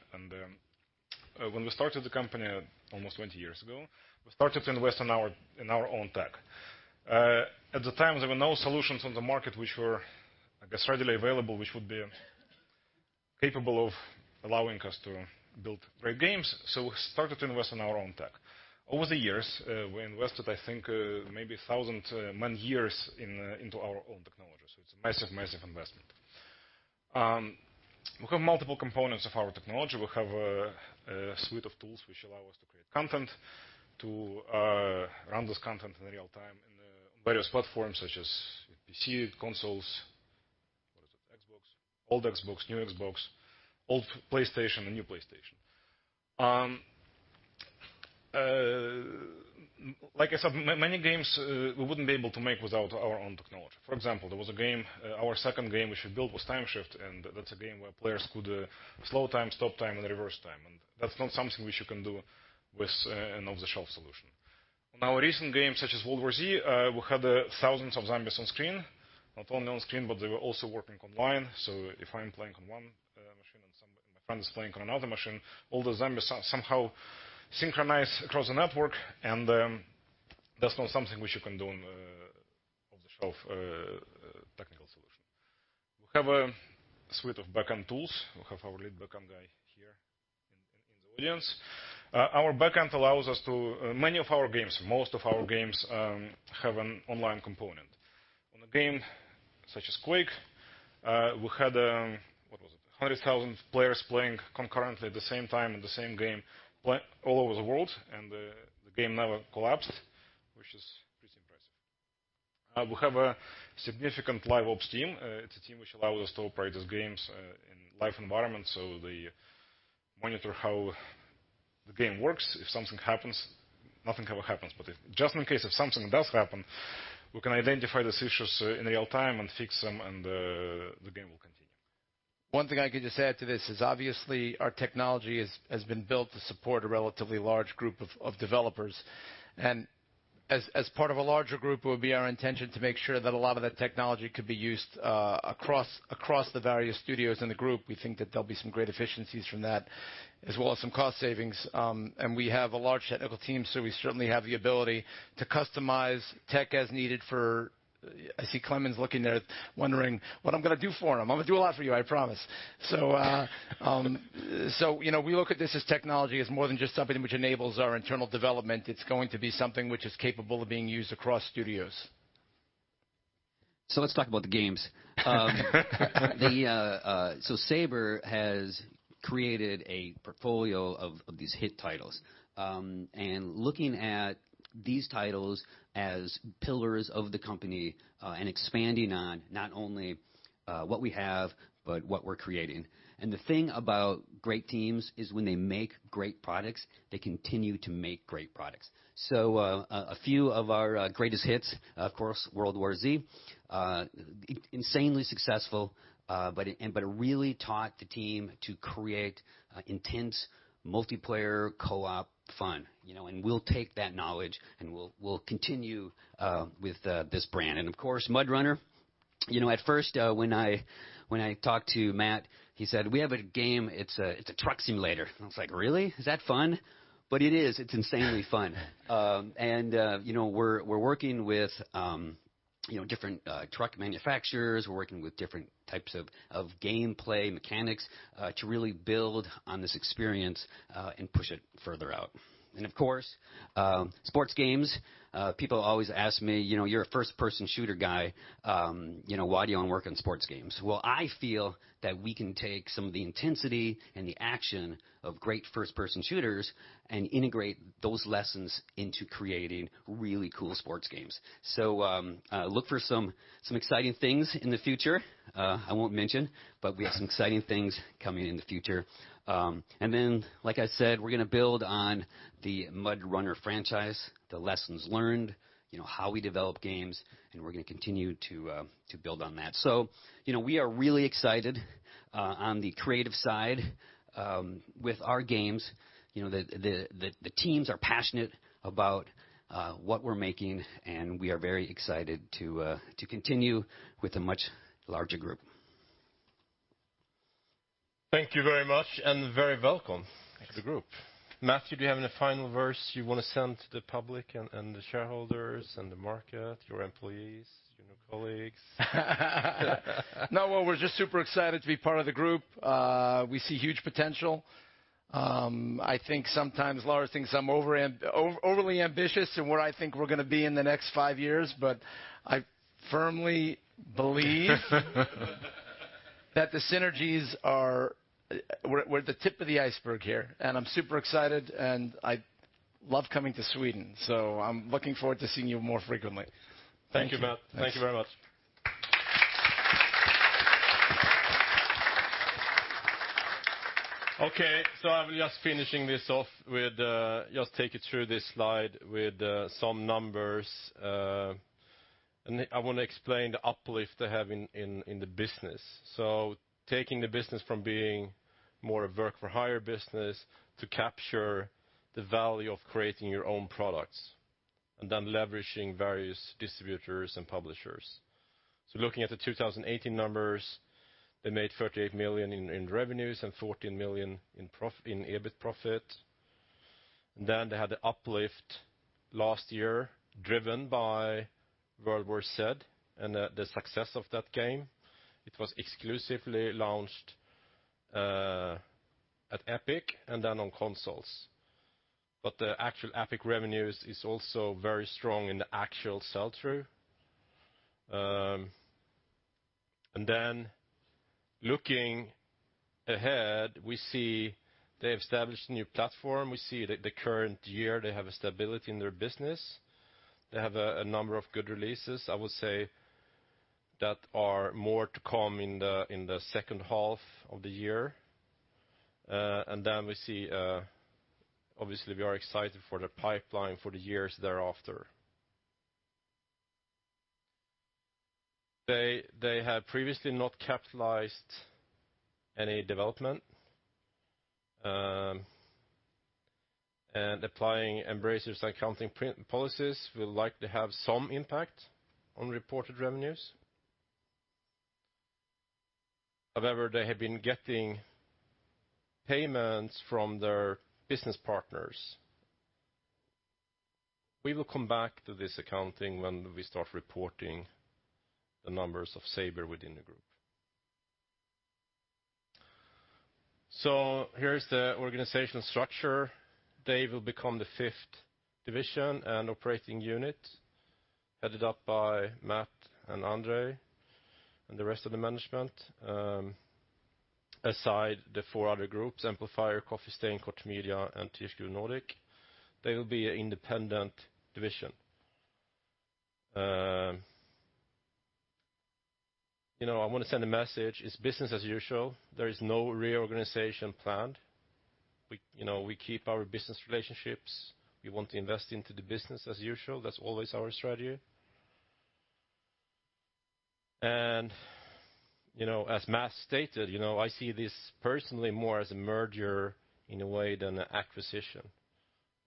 When we started the company almost 20 years ago, we started to invest in our own tech. At the time, there were no solutions on the market which were, I guess, readily available, which would be capable of allowing us to build great games. We started to invest in our own tech. Over the years, we invested, I think, maybe 1,000 man-years into our own technology. It's a massive investment. We have multiple components of our technology. We have a suite of tools which allow us to create content, to run this content in real time in various platforms such as PC, consoles, what is it? Xbox, old Xbox, new Xbox, old PlayStation, and new PlayStation. Like I said, many games we wouldn't be able to make without our own technology. For example, there was a game, our second game we should build was TimeShift, and that's a game where players could slow time, stop time, and reverse time. That's not something which you can do with an off-the-shelf solution. Recent games such as World War Z, we had thousands of zombies on screen. Not only on screen, they were also working online. If I'm playing on one machine and my friend is playing on another machine, all the zombies somehow synchronize across the network, that's not something which you can do on a off-the-shelf technical solution. We have a suite of backend tools. We have our lead backend guy here in the audience. Many of our games, most of our games, have an online component. On a game such as Quake, we had, what was it? 100,000 players playing concurrently at the same time in the same game all over the world, the game never collapsed, which is pretty impressive. We have a significant Live Ops team. It's a team which allows us to operate these games in live environments. They monitor how the game works. If something happens, nothing ever happens, but just in case if something does happen, we can identify those issues in real time and fix them, and the game will continue. One thing I could just add to this is obviously our technology has been built to support a relatively large group of developers. As part of a larger group, it would be our intention to make sure that a lot of that technology could be used across the various studios in the group. We think that there'll be some great efficiencies from that, as well as some cost savings. We have a large technical team, so we certainly have the ability to customize tech as needed for I see Klemens looking there wondering what I'm going to do for him. I'm going to do a lot for you, I promise. We look at this as technology as more than just something which enables our internal development. It's going to be something which is capable of being used across studios. Let's talk about the games. Saber has created a portfolio of these hit titles, and looking at these titles as pillars of the company, and expanding on not only what we have, but what we're creating. The thing about great teams is when they make great products, they continue to make great products. A few of our greatest hits, of course, World War Z, insanely successful, but it really taught the team to create intense multiplayer co-op fun. We'll take that knowledge and we'll continue with this brand. Of course, MudRunner. At first when I talked to Matt, he said, "We have a game. It's a truck simulator." I was like, "Really? Is that fun?" It is. It's insanely fun. We're working with different truck manufacturers. We're working with different types of gameplay mechanics to really build on this experience, and push it further out. Of course, sports games, people always ask me, "You're a first-person shooter guy, why do you want to work on sports games?" Well, I feel that we can take some of the intensity and the action of great first-person shooters and integrate those lessons into creating really cool sports games. Look for some exciting things in the future. I won't mention, but we have some exciting things coming in the future. Like I said, we're going to build on the MudRunner franchise, the lessons learned, how we develop games, and we're going to continue to build on that. We are really excited on the creative side with our games. The teams are passionate about what we're making, and we are very excited to continue with a much larger group. Thank you very much, and very welcome to the group. Thank you. Matthew, do you have any final words you want to send to the public and the shareholders and the market, your employees, your new colleagues? No. Well, we're just super excited to be part of the group. We see huge potential. I think sometimes Lars thinks I'm overly ambitious in where I think we're going to be in the next five years, but I firmly believe we're at the tip of the iceberg here, and I'm super excited, and I love coming to Sweden. I'm looking forward to seeing you more frequently. Thank you. Thank you, Matt. Thank you very much. I'm just finishing this off with just take you through this slide with some numbers. I want to explain the uplift they have in the business. Taking the business from being more a work-for-hire business to capture the value of creating your own products, and then leveraging various distributors and publishers. Looking at the 2018 numbers, they made 38 million in revenues and 14 million in EBIT profit. They had the uplift last year driven by World War Z and the success of that game. It was exclusively launched at Epic and then on consoles. The actual Epic revenues is also very strong in the actual sell-through. Looking ahead, we see they established a new platform. We see the current year, they have a stability in their business. They have a number of good releases. I would say that are more to come in the second half of the year. We see, obviously we are excited for the pipeline for the years thereafter. They had previously not capitalized any development. Applying Embracer's accounting policies will likely have some impact on reported revenues. However, they have been getting payments from their business partners. We will come back to this accounting when we start reporting the numbers of Saber within the group. Here is the organizational structure. They will become the fifth division and operating unit, headed up by Matt and Andrey, and the rest of the management, aside the four other groups, Amplifier, Coffee Stain, Koch Media, and THQ Nordic. They will be an independent division. I want to send a message, it's business as usual. There is no reorganization planned. We keep our business relationships. We want to invest into the business as usual. That's always our strategy. As Matt stated, I see this personally more as a merger in a way than an acquisition.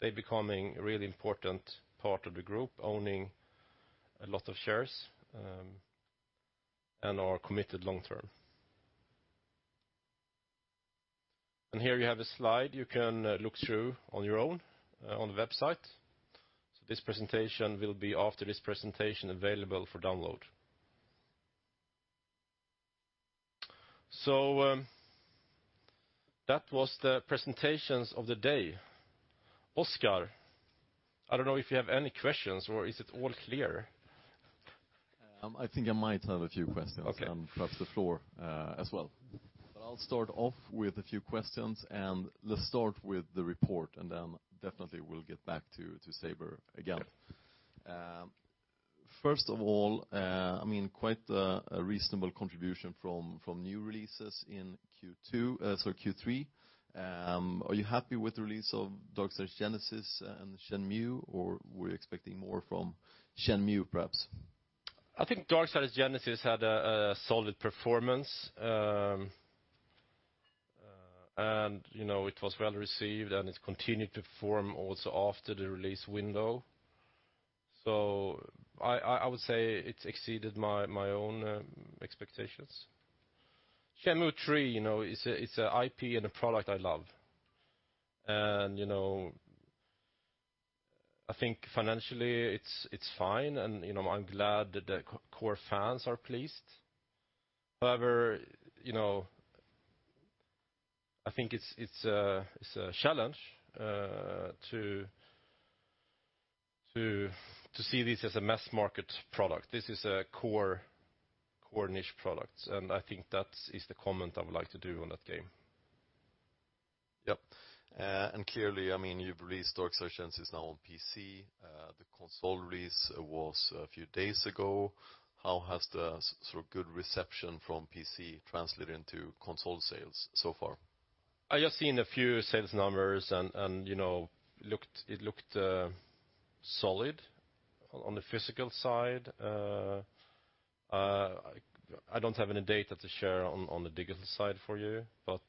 They're becoming a really important part of the group, owning a lot of shares, and are committed long-term. Here you have a slide you can look through on your own on the website. This presentation will be after this presentation available for download. That was the presentations of the day. Oscar, I don't know if you have any questions or is it all clear? I think I might have a few questions. Okay Perhaps the floor as well. I'll start off with a few questions, and let's start with the report, and then definitely we'll get back to Saber again. Okay. First of all, quite a reasonable contribution from new releases in Q3. Are you happy with the release of Darksiders Genesis and Shenmue, or were you expecting more from Shenmue perhaps? I think Darksiders Genesis had a solid performance. It was well-received, and it's continued to perform also after the release window. I would say it's exceeded my own expectations. Shenmue III is a IP and a product I love. I think financially it's fine and I'm glad that the core fans are pleased. However, I think it's a challenge to see this as a mass market product. This is a core niche product. I think that is the comment I would like to do on that game. Yep. Clearly, you've released Darksiders Genesis now on PC. The console release was a few days ago. How has the sort of good reception from PC translated into console sales so far? I just seen a few sales numbers and it looked solid on the physical side. I don't have any data to share on the digital side for you, but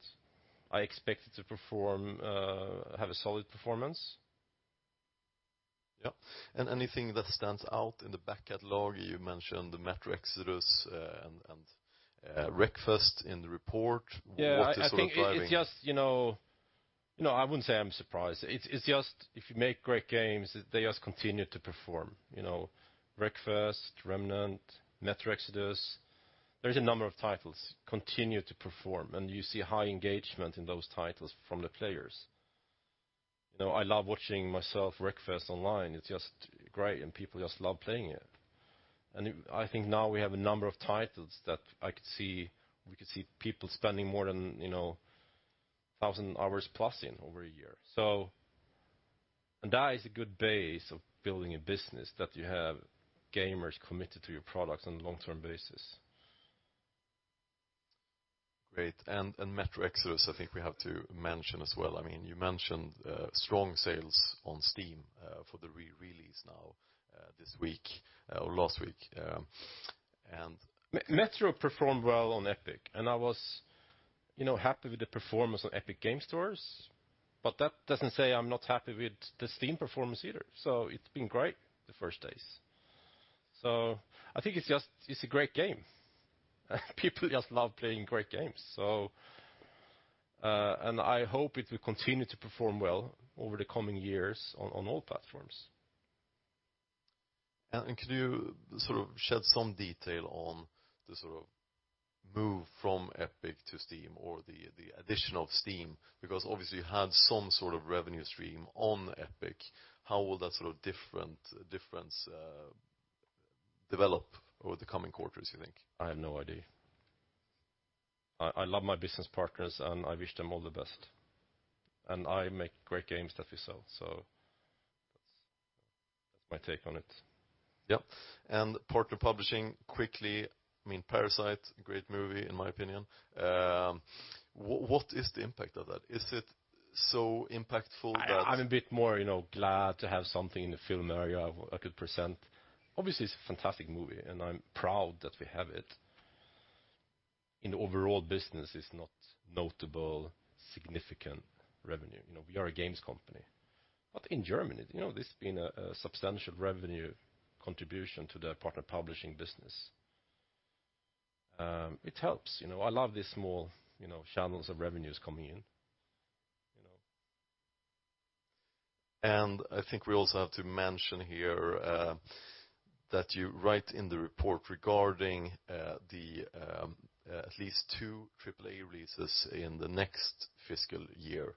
I expect it to have a solid performance. Yep. Anything that stands out in the back catalog? You mentioned the Metro Exodus and Wreckfest in the report. Yeah. What is sort of driving- I wouldn't say I'm surprised. It's just if you make great games, they just continue to perform. Wreckfest, Remnant, Metro Exodus, there is a number of titles continue to perform. You see high engagement in those titles from the players. I love watching myself Wreckfest online. It's just great, and people just love playing it. I think now we have a number of titles that we could see people spending more than 1,000 hours+ in over a year. That is a good base of building a business that you have gamers committed to your products on a long-term basis. Great. Metro Exodus, I think we have to mention as well. You mentioned strong sales on Steam for the re-release now this week or last week. Metro performed well on Epic, and I was happy with the performance on Epic Games stores. That doesn't say I'm not happy with the Steam performance either. It's been great the first days. I think it's a great game. People just love playing great games. I hope it will continue to perform well over the coming years on all platforms. Could you sort of shed some detail on the sort of move from Epic to Steam or the addition of Steam? Obviously you had some sort of revenue stream on Epic. How will that sort of difference develop over the coming quarters, you think? I have no idea. I love my business partners, and I wish them all the best. I make great games that we sell. That's my take on it. Yep. Partner publishing quickly, "Parasite," great movie in my opinion. What is the impact of that? Is it so impactful. I'm a bit more glad to have something in the film area I could present. Obviously, it's a fantastic movie, and I'm proud that we have it. In the overall business it's not notable, significant revenue. We are a games company. In Germany, this has been a substantial revenue contribution to their partner publishing business. It helps. I love these small channels of revenues coming in. I think we also have to mention here that you write in the report regarding at least two AAA releases in the next fiscal year.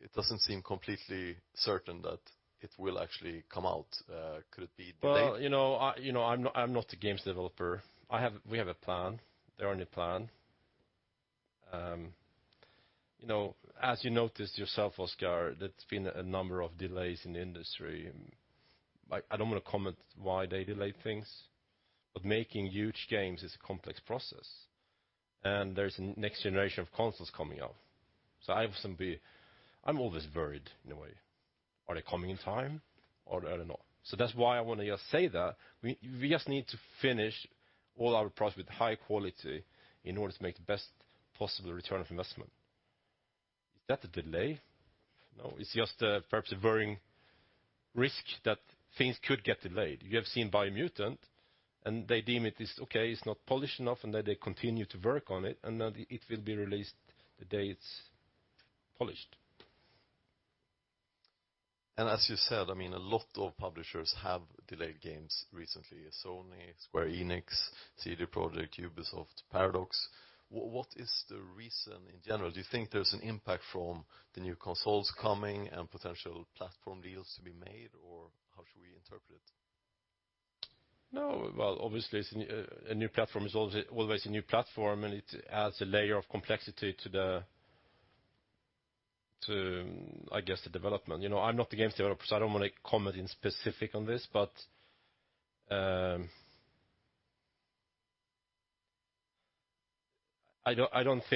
It doesn't seem completely certain that it will actually come out. Could it be delayed? Well, I'm not a games developer. We have a plan. There are only plan. As you noticed yourself, Oscar, there's been a number of delays in the industry. I don't want to comment why they delay things, but making huge games is a complex process, and there's a next generation of consoles coming up. I'm always worried in a way. Are they coming in time or are they not? That's why I want to just say that we just need to finish all our products with high quality in order to make the best possible return on investment. Is that a delay? No, it's just perhaps a varying risk that things could get delayed. You have seen Biomutant, and they deem it is okay, it's not polished enough, and then they continue to work on it, and then it will be released the day it's polished. As you said, a lot of publishers have delayed games recently. Sony, Square Enix, CD Projekt, Ubisoft, Paradox. What is the reason in general? Do you think there is an impact from the new consoles coming and potential platform deals to be made, or how should we interpret it? Well, obviously, a new platform is always a new platform, and it adds a layer of complexity to, I guess, the development. I'm not a games developer, so I don't want to comment in specific on this. I don't want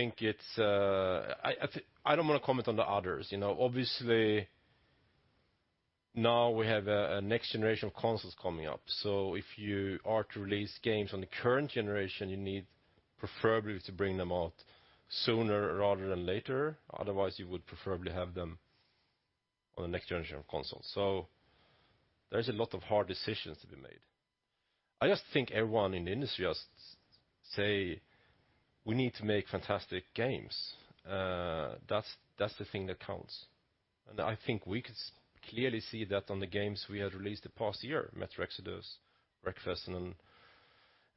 to comment on the others. Obviously, now we have a next generation of consoles coming up. If you are to release games on the current generation, you need preferably to bring them out sooner rather than later. Otherwise, you would preferably have them on the next generation of consoles. There's a lot of hard decisions to be made. I just think everyone in the industry just say we need to make fantastic games. That's the thing that counts. I think we could clearly see that on the games we had released the past year, Metro Exodus, Wreckfest, and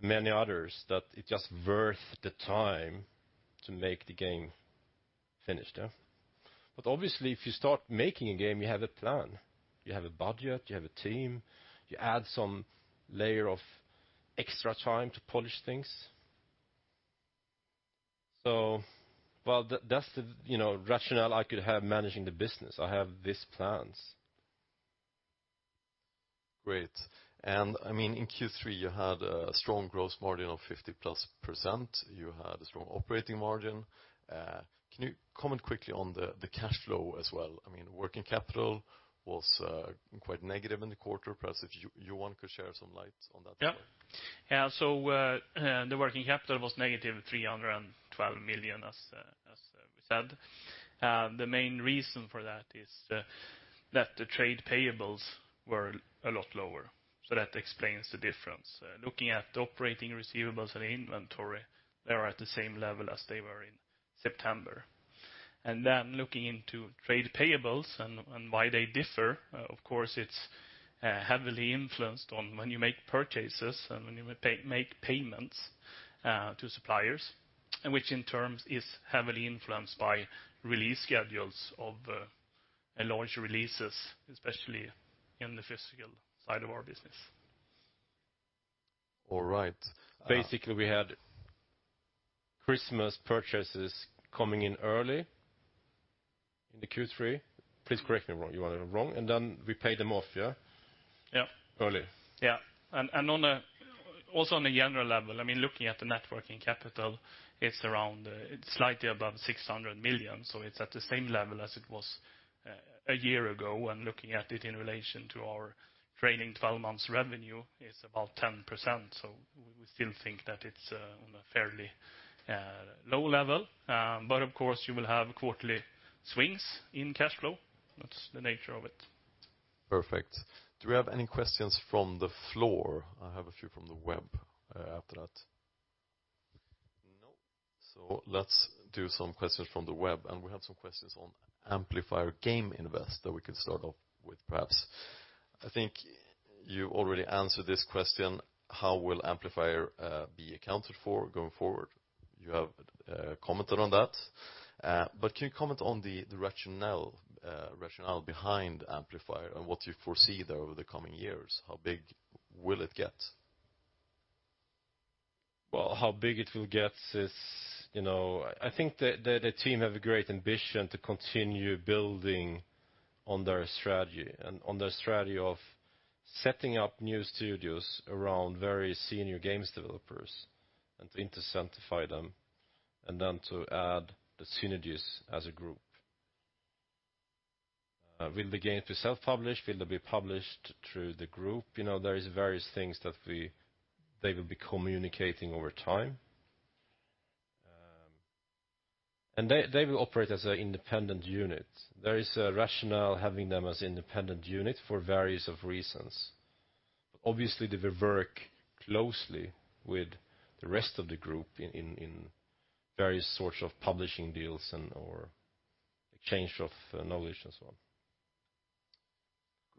many others, that it's just worth the time to make the game finished. Obviously, if you start making a game, you have a plan. You have a budget, you have a team, you add some layer of extra time to polish things. That's the rationale I could have managing the business. I have these plans. Great. In Q3, you had a strong gross margin of 50-plus%. You had a strong operating margin. Can you comment quickly on the cash flow as well? Working capital was quite negative in the quarter. Perhaps if Johan could share some light on that as well. Yeah. The working capital was negative 312 million as we said. The main reason for that is that the trade payables were a lot lower. That explains the difference. Looking at the operating receivables and inventory, they are at the same level as they were in September. Looking into trade payables and why they differ, of course, it's heavily influenced on when you make purchases and when you make payments to suppliers, and which in turn is heavily influenced by release schedules of launch releases, especially in the physical side of our business. All right. Basically, we had Christmas purchases coming in early in the Q3. Please correct me if I'm wrong. Then we paid them off, yeah? Yeah. Early. Yeah. Also on a general level, looking at the net working capital, it's slightly above 600 million, so it's at the same level as it was a year ago. Looking at it in relation to our trailing 12 months revenue is about 10%. We still think that it's on a fairly low level. Of course, you will have quarterly swings in cash flow. That's the nature of it. Perfect. Do we have any questions from the floor? I have a few from the web after that. No. Let's do some questions from the web, and we have some questions on Amplifier Game Invest that we could start off with, perhaps. I think you already answered this question, how will Amplifier be accounted for going forward? You have commented on that. Can you comment on the rationale behind Amplifier and what you foresee there over the coming years? How big will it get? Well, how big it will get is, I think the team have a great ambition to continue building on their strategy and on their strategy of setting up new studios around very senior games developers and to incentivize them, and then to add the synergies as a group. Will the game be self-published? Will they be published through the group? There is various things that they will be communicating over time. They will operate as an independent unit. There is a rationale having them as independent unit for various of reasons. Obviously, they will work closely with the rest of the group in various sorts of publishing deals and/or exchange of knowledge and so on.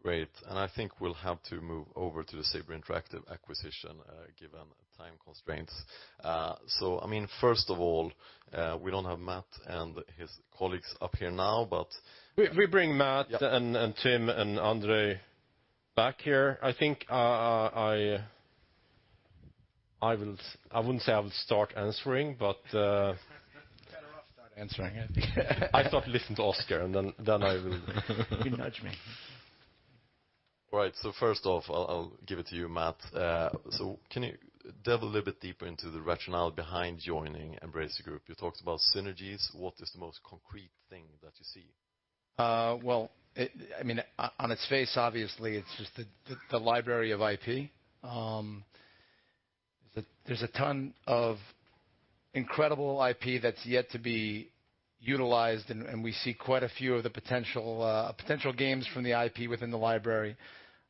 Great. I think we'll have to move over to the Saber Interactive acquisition, given time constraints. First of all, we don't have Matt and his colleagues up here now. We bring Matt and Tim and Andrey back here. I think I wouldn't say I will start answering. Better off start answering it. I thought listen to Oscar, and then I will. You nudge me. Right. First off, I'll give it to you, Matt. Can you delve a little bit deeper into the rationale behind joining Embracer Group? You talked about synergies. What is the most concrete thing that you see? Well, on its face, obviously, it's just the library of IP. There's a ton of incredible IP that's yet to be utilized, and we see quite a few of the potential games from the IP within the library.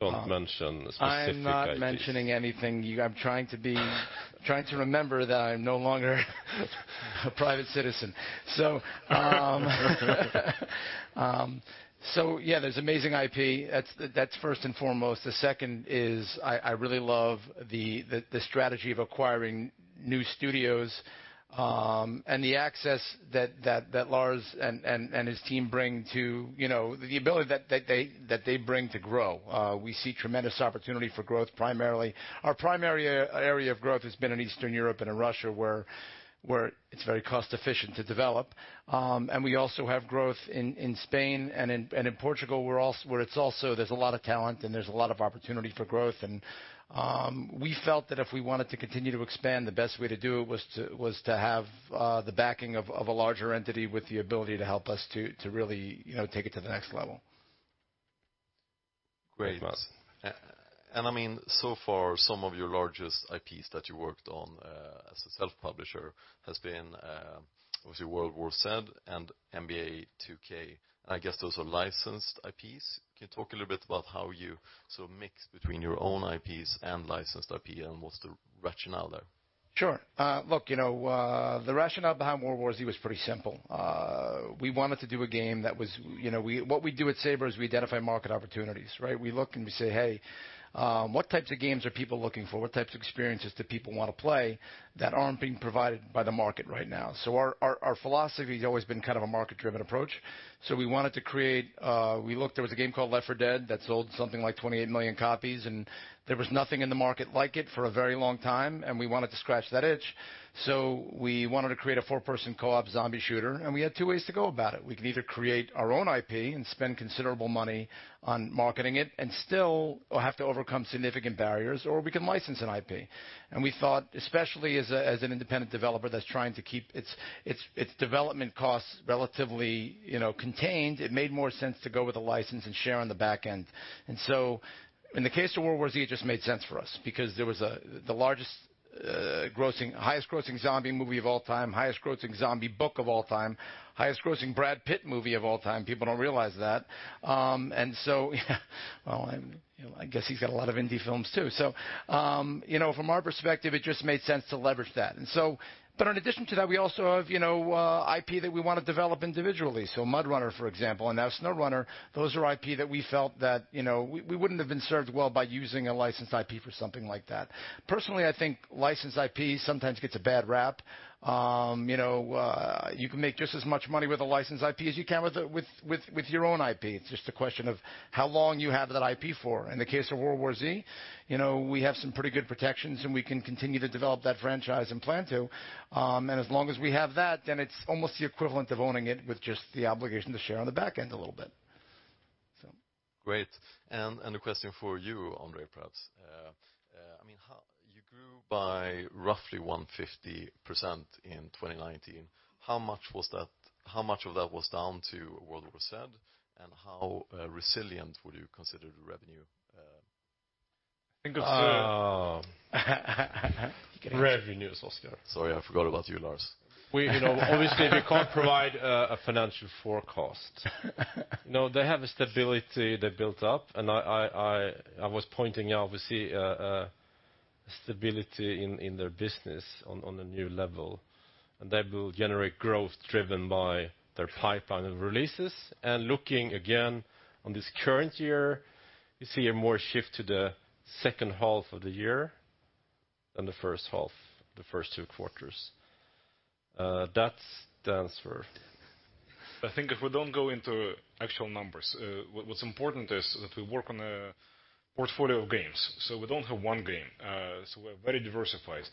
Don't mention the specific IPs. I am not mentioning anything. I'm trying to remember that I'm no longer a private citizen. Yeah, there's amazing IP. That's first and foremost. The second is, I really love the strategy of acquiring new studios, and the access that Lars and his team bring the ability that they bring to grow. We see tremendous opportunity for growth primarily. Our primary area of growth has been in Eastern Europe and in Russia, where it's very cost-efficient to develop. We also have growth in Spain and in Portugal, where it's also, there's a lot of talent and there's a lot of opportunity for growth. We felt that if we wanted to continue to expand, the best way to do it was to have the backing of a larger entity with the ability to help us to really take it to the next level. Great. Thanks, Matt. So far, some of your largest IPs that you worked on as a self-publisher has been obviously World War Z and NBA 2K. I guess those are licensed IPs. Can you talk a little bit about how you sort of mix between your own IPs and licensed IP, and what's the rationale there? Sure. Look, the rationale behind "World War Z" was pretty simple. We wanted to do a game. What we do at Saber is we identify market opportunities, right? We look, we say, "Hey, what types of games are people looking for? What types of experiences do people want to play that aren't being provided by the market right now?" Our philosophy has always been kind of a market-driven approach. We wanted to create. We looked, there was a game called "Left 4 Dead" that sold something like 28 million copies. There was nothing in the market like it for a very long time. We wanted to scratch that itch. We wanted to create a four-person co-op zombie shooter. We had two ways to go about it. We could either create our own IP and spend considerable money on marketing it, and still have to overcome significant barriers, or we could license an IP. We thought, especially as an independent developer that's trying to keep its development costs relatively contained, it made more sense to go with a license and share on the back end. In the case of "World War Z," it just made sense for us because there was the highest grossing zombie movie of all time, highest grossing zombie book of all time, highest grossing Brad Pitt movie of all time. People don't realize that. Well, I guess he's got a lot of indie films too. From our perspective, it just made sense to leverage that. In addition to that, we also have IP that we want to develop individually. 'MudRunner,' for example, and now 'SnowRunner,' those are IP that we felt that we wouldn't have been served well by using a licensed IP for something like that. Personally, I think licensed IP sometimes gets a bad rap. You can make just as much money with a licensed IP as you can with your own IP. It's just a question of how long you have that IP for. In the case of 'World War Z,' we have some pretty good protections, and we can continue to develop that franchise and plan to. As long as we have that, then it's almost the equivalent of owning it with just the obligation to share on the back end a little bit. Great. A question for you, Andrey, perhaps. You grew by roughly 150% in 2019. How much of that was down to World War Z, and how resilient would you consider the revenue? I think it's Revenue, Oscar. Sorry, I forgot about you, Lars. Obviously, we can't provide a financial forecast. No, they have a stability they built up, and I was pointing out, obviously, a stability in their business on a new level, and that will generate growth driven by their pipeline of releases. Looking again on this current year, you see a more shift to the second half of the year than the first half, the first two quarters. That's the answer. I think if we don't go into actual numbers, what's important is that we work on a portfolio of games. We don't have one game. We're very diversified.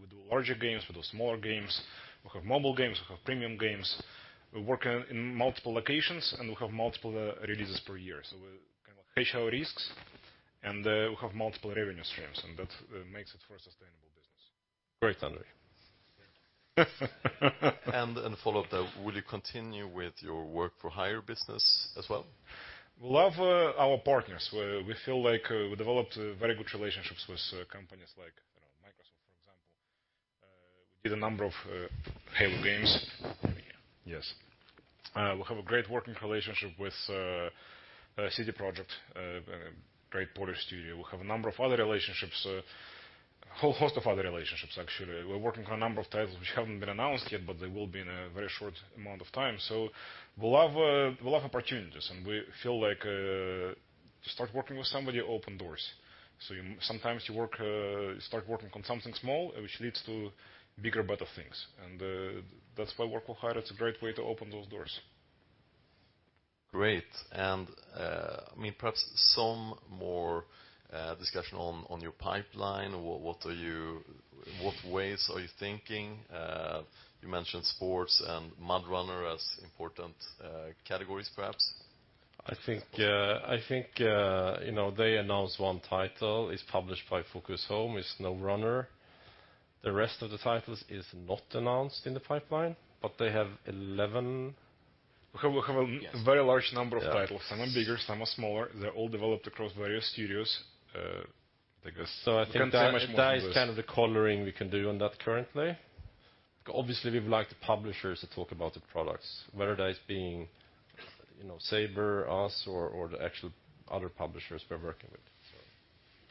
We do larger games, we do smaller games. We have mobile games, we have premium games. We work in multiple locations and we have multiple releases per year. [inaudible] and we have multiple revenue streams, and that makes it for a sustainable business. Great, Andrey. Thank you. Follow-up though, will you continue with your work for hire business as well? We love our partners. We feel like we developed very good relationships with companies like Microsoft, for example. We did a number of Halo games. Yeah. Yes. We have a great working relationship with CD Projekt, a great Polish studio. We have a number of other relationships, a whole host of other relationships, actually. We're working on a number of titles which haven't been announced yet, but they will be in a very short amount of time. We'll have opportunities, and we feel like to start working with somebody open doors. Sometimes you start working on something small, which leads to bigger and better things. That's why work for hire, it's a great way to open those doors. Great. Perhaps some more discussion on your pipeline. What ways are you thinking? You mentioned sports and MudRunner as important categories, perhaps. I think they announced one title. It's published by Focus Home, it's SnowRunner. The rest of the titles is not announced in the pipeline, they have 11. We have a very large number of titles Yeah Some are bigger, some are smaller. They're all developed across various studios. I think that is kind of the coloring we can do on that currently. Obviously, we would like the publishers to talk about the products, whether that is being Saber, us, or the actual other publishers we're working with.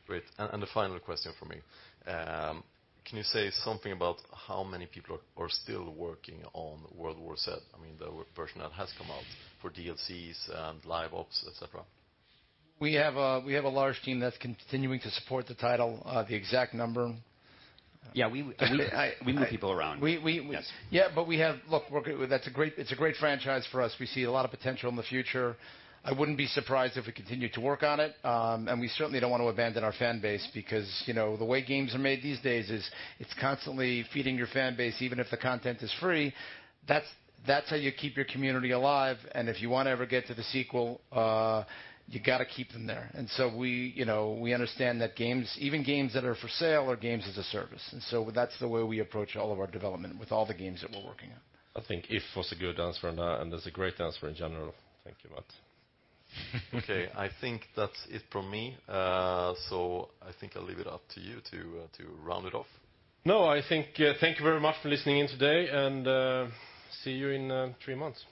Great. The final question from me. Can you say something about how many people are still working on World War Z? The version that has come out for DLCs and Live Ops, et cetera. We have a large team that's continuing to support the title. The exact number- Yeah, we move people around. Yeah. Yes. Look, it's a great franchise for us. We see a lot of potential in the future. I wouldn't be surprised if we continue to work on it. We certainly don't want to abandon our fan base because the way games are made these days is it's constantly feeding your fan base, even if the content is free. That's how you keep your community alive. If you want to ever get to the sequel, you got to keep them there. We understand that even games that are for sale are games as a service. That's the way we approach all of our development with all the games that we're working on. I think it was a good answer on that. That's a great answer in general. Thank you, Matt. Okay. I think that's it from me. I think I'll leave it up to you to round it off. No, thank you very much for listening in today, and see you in three months.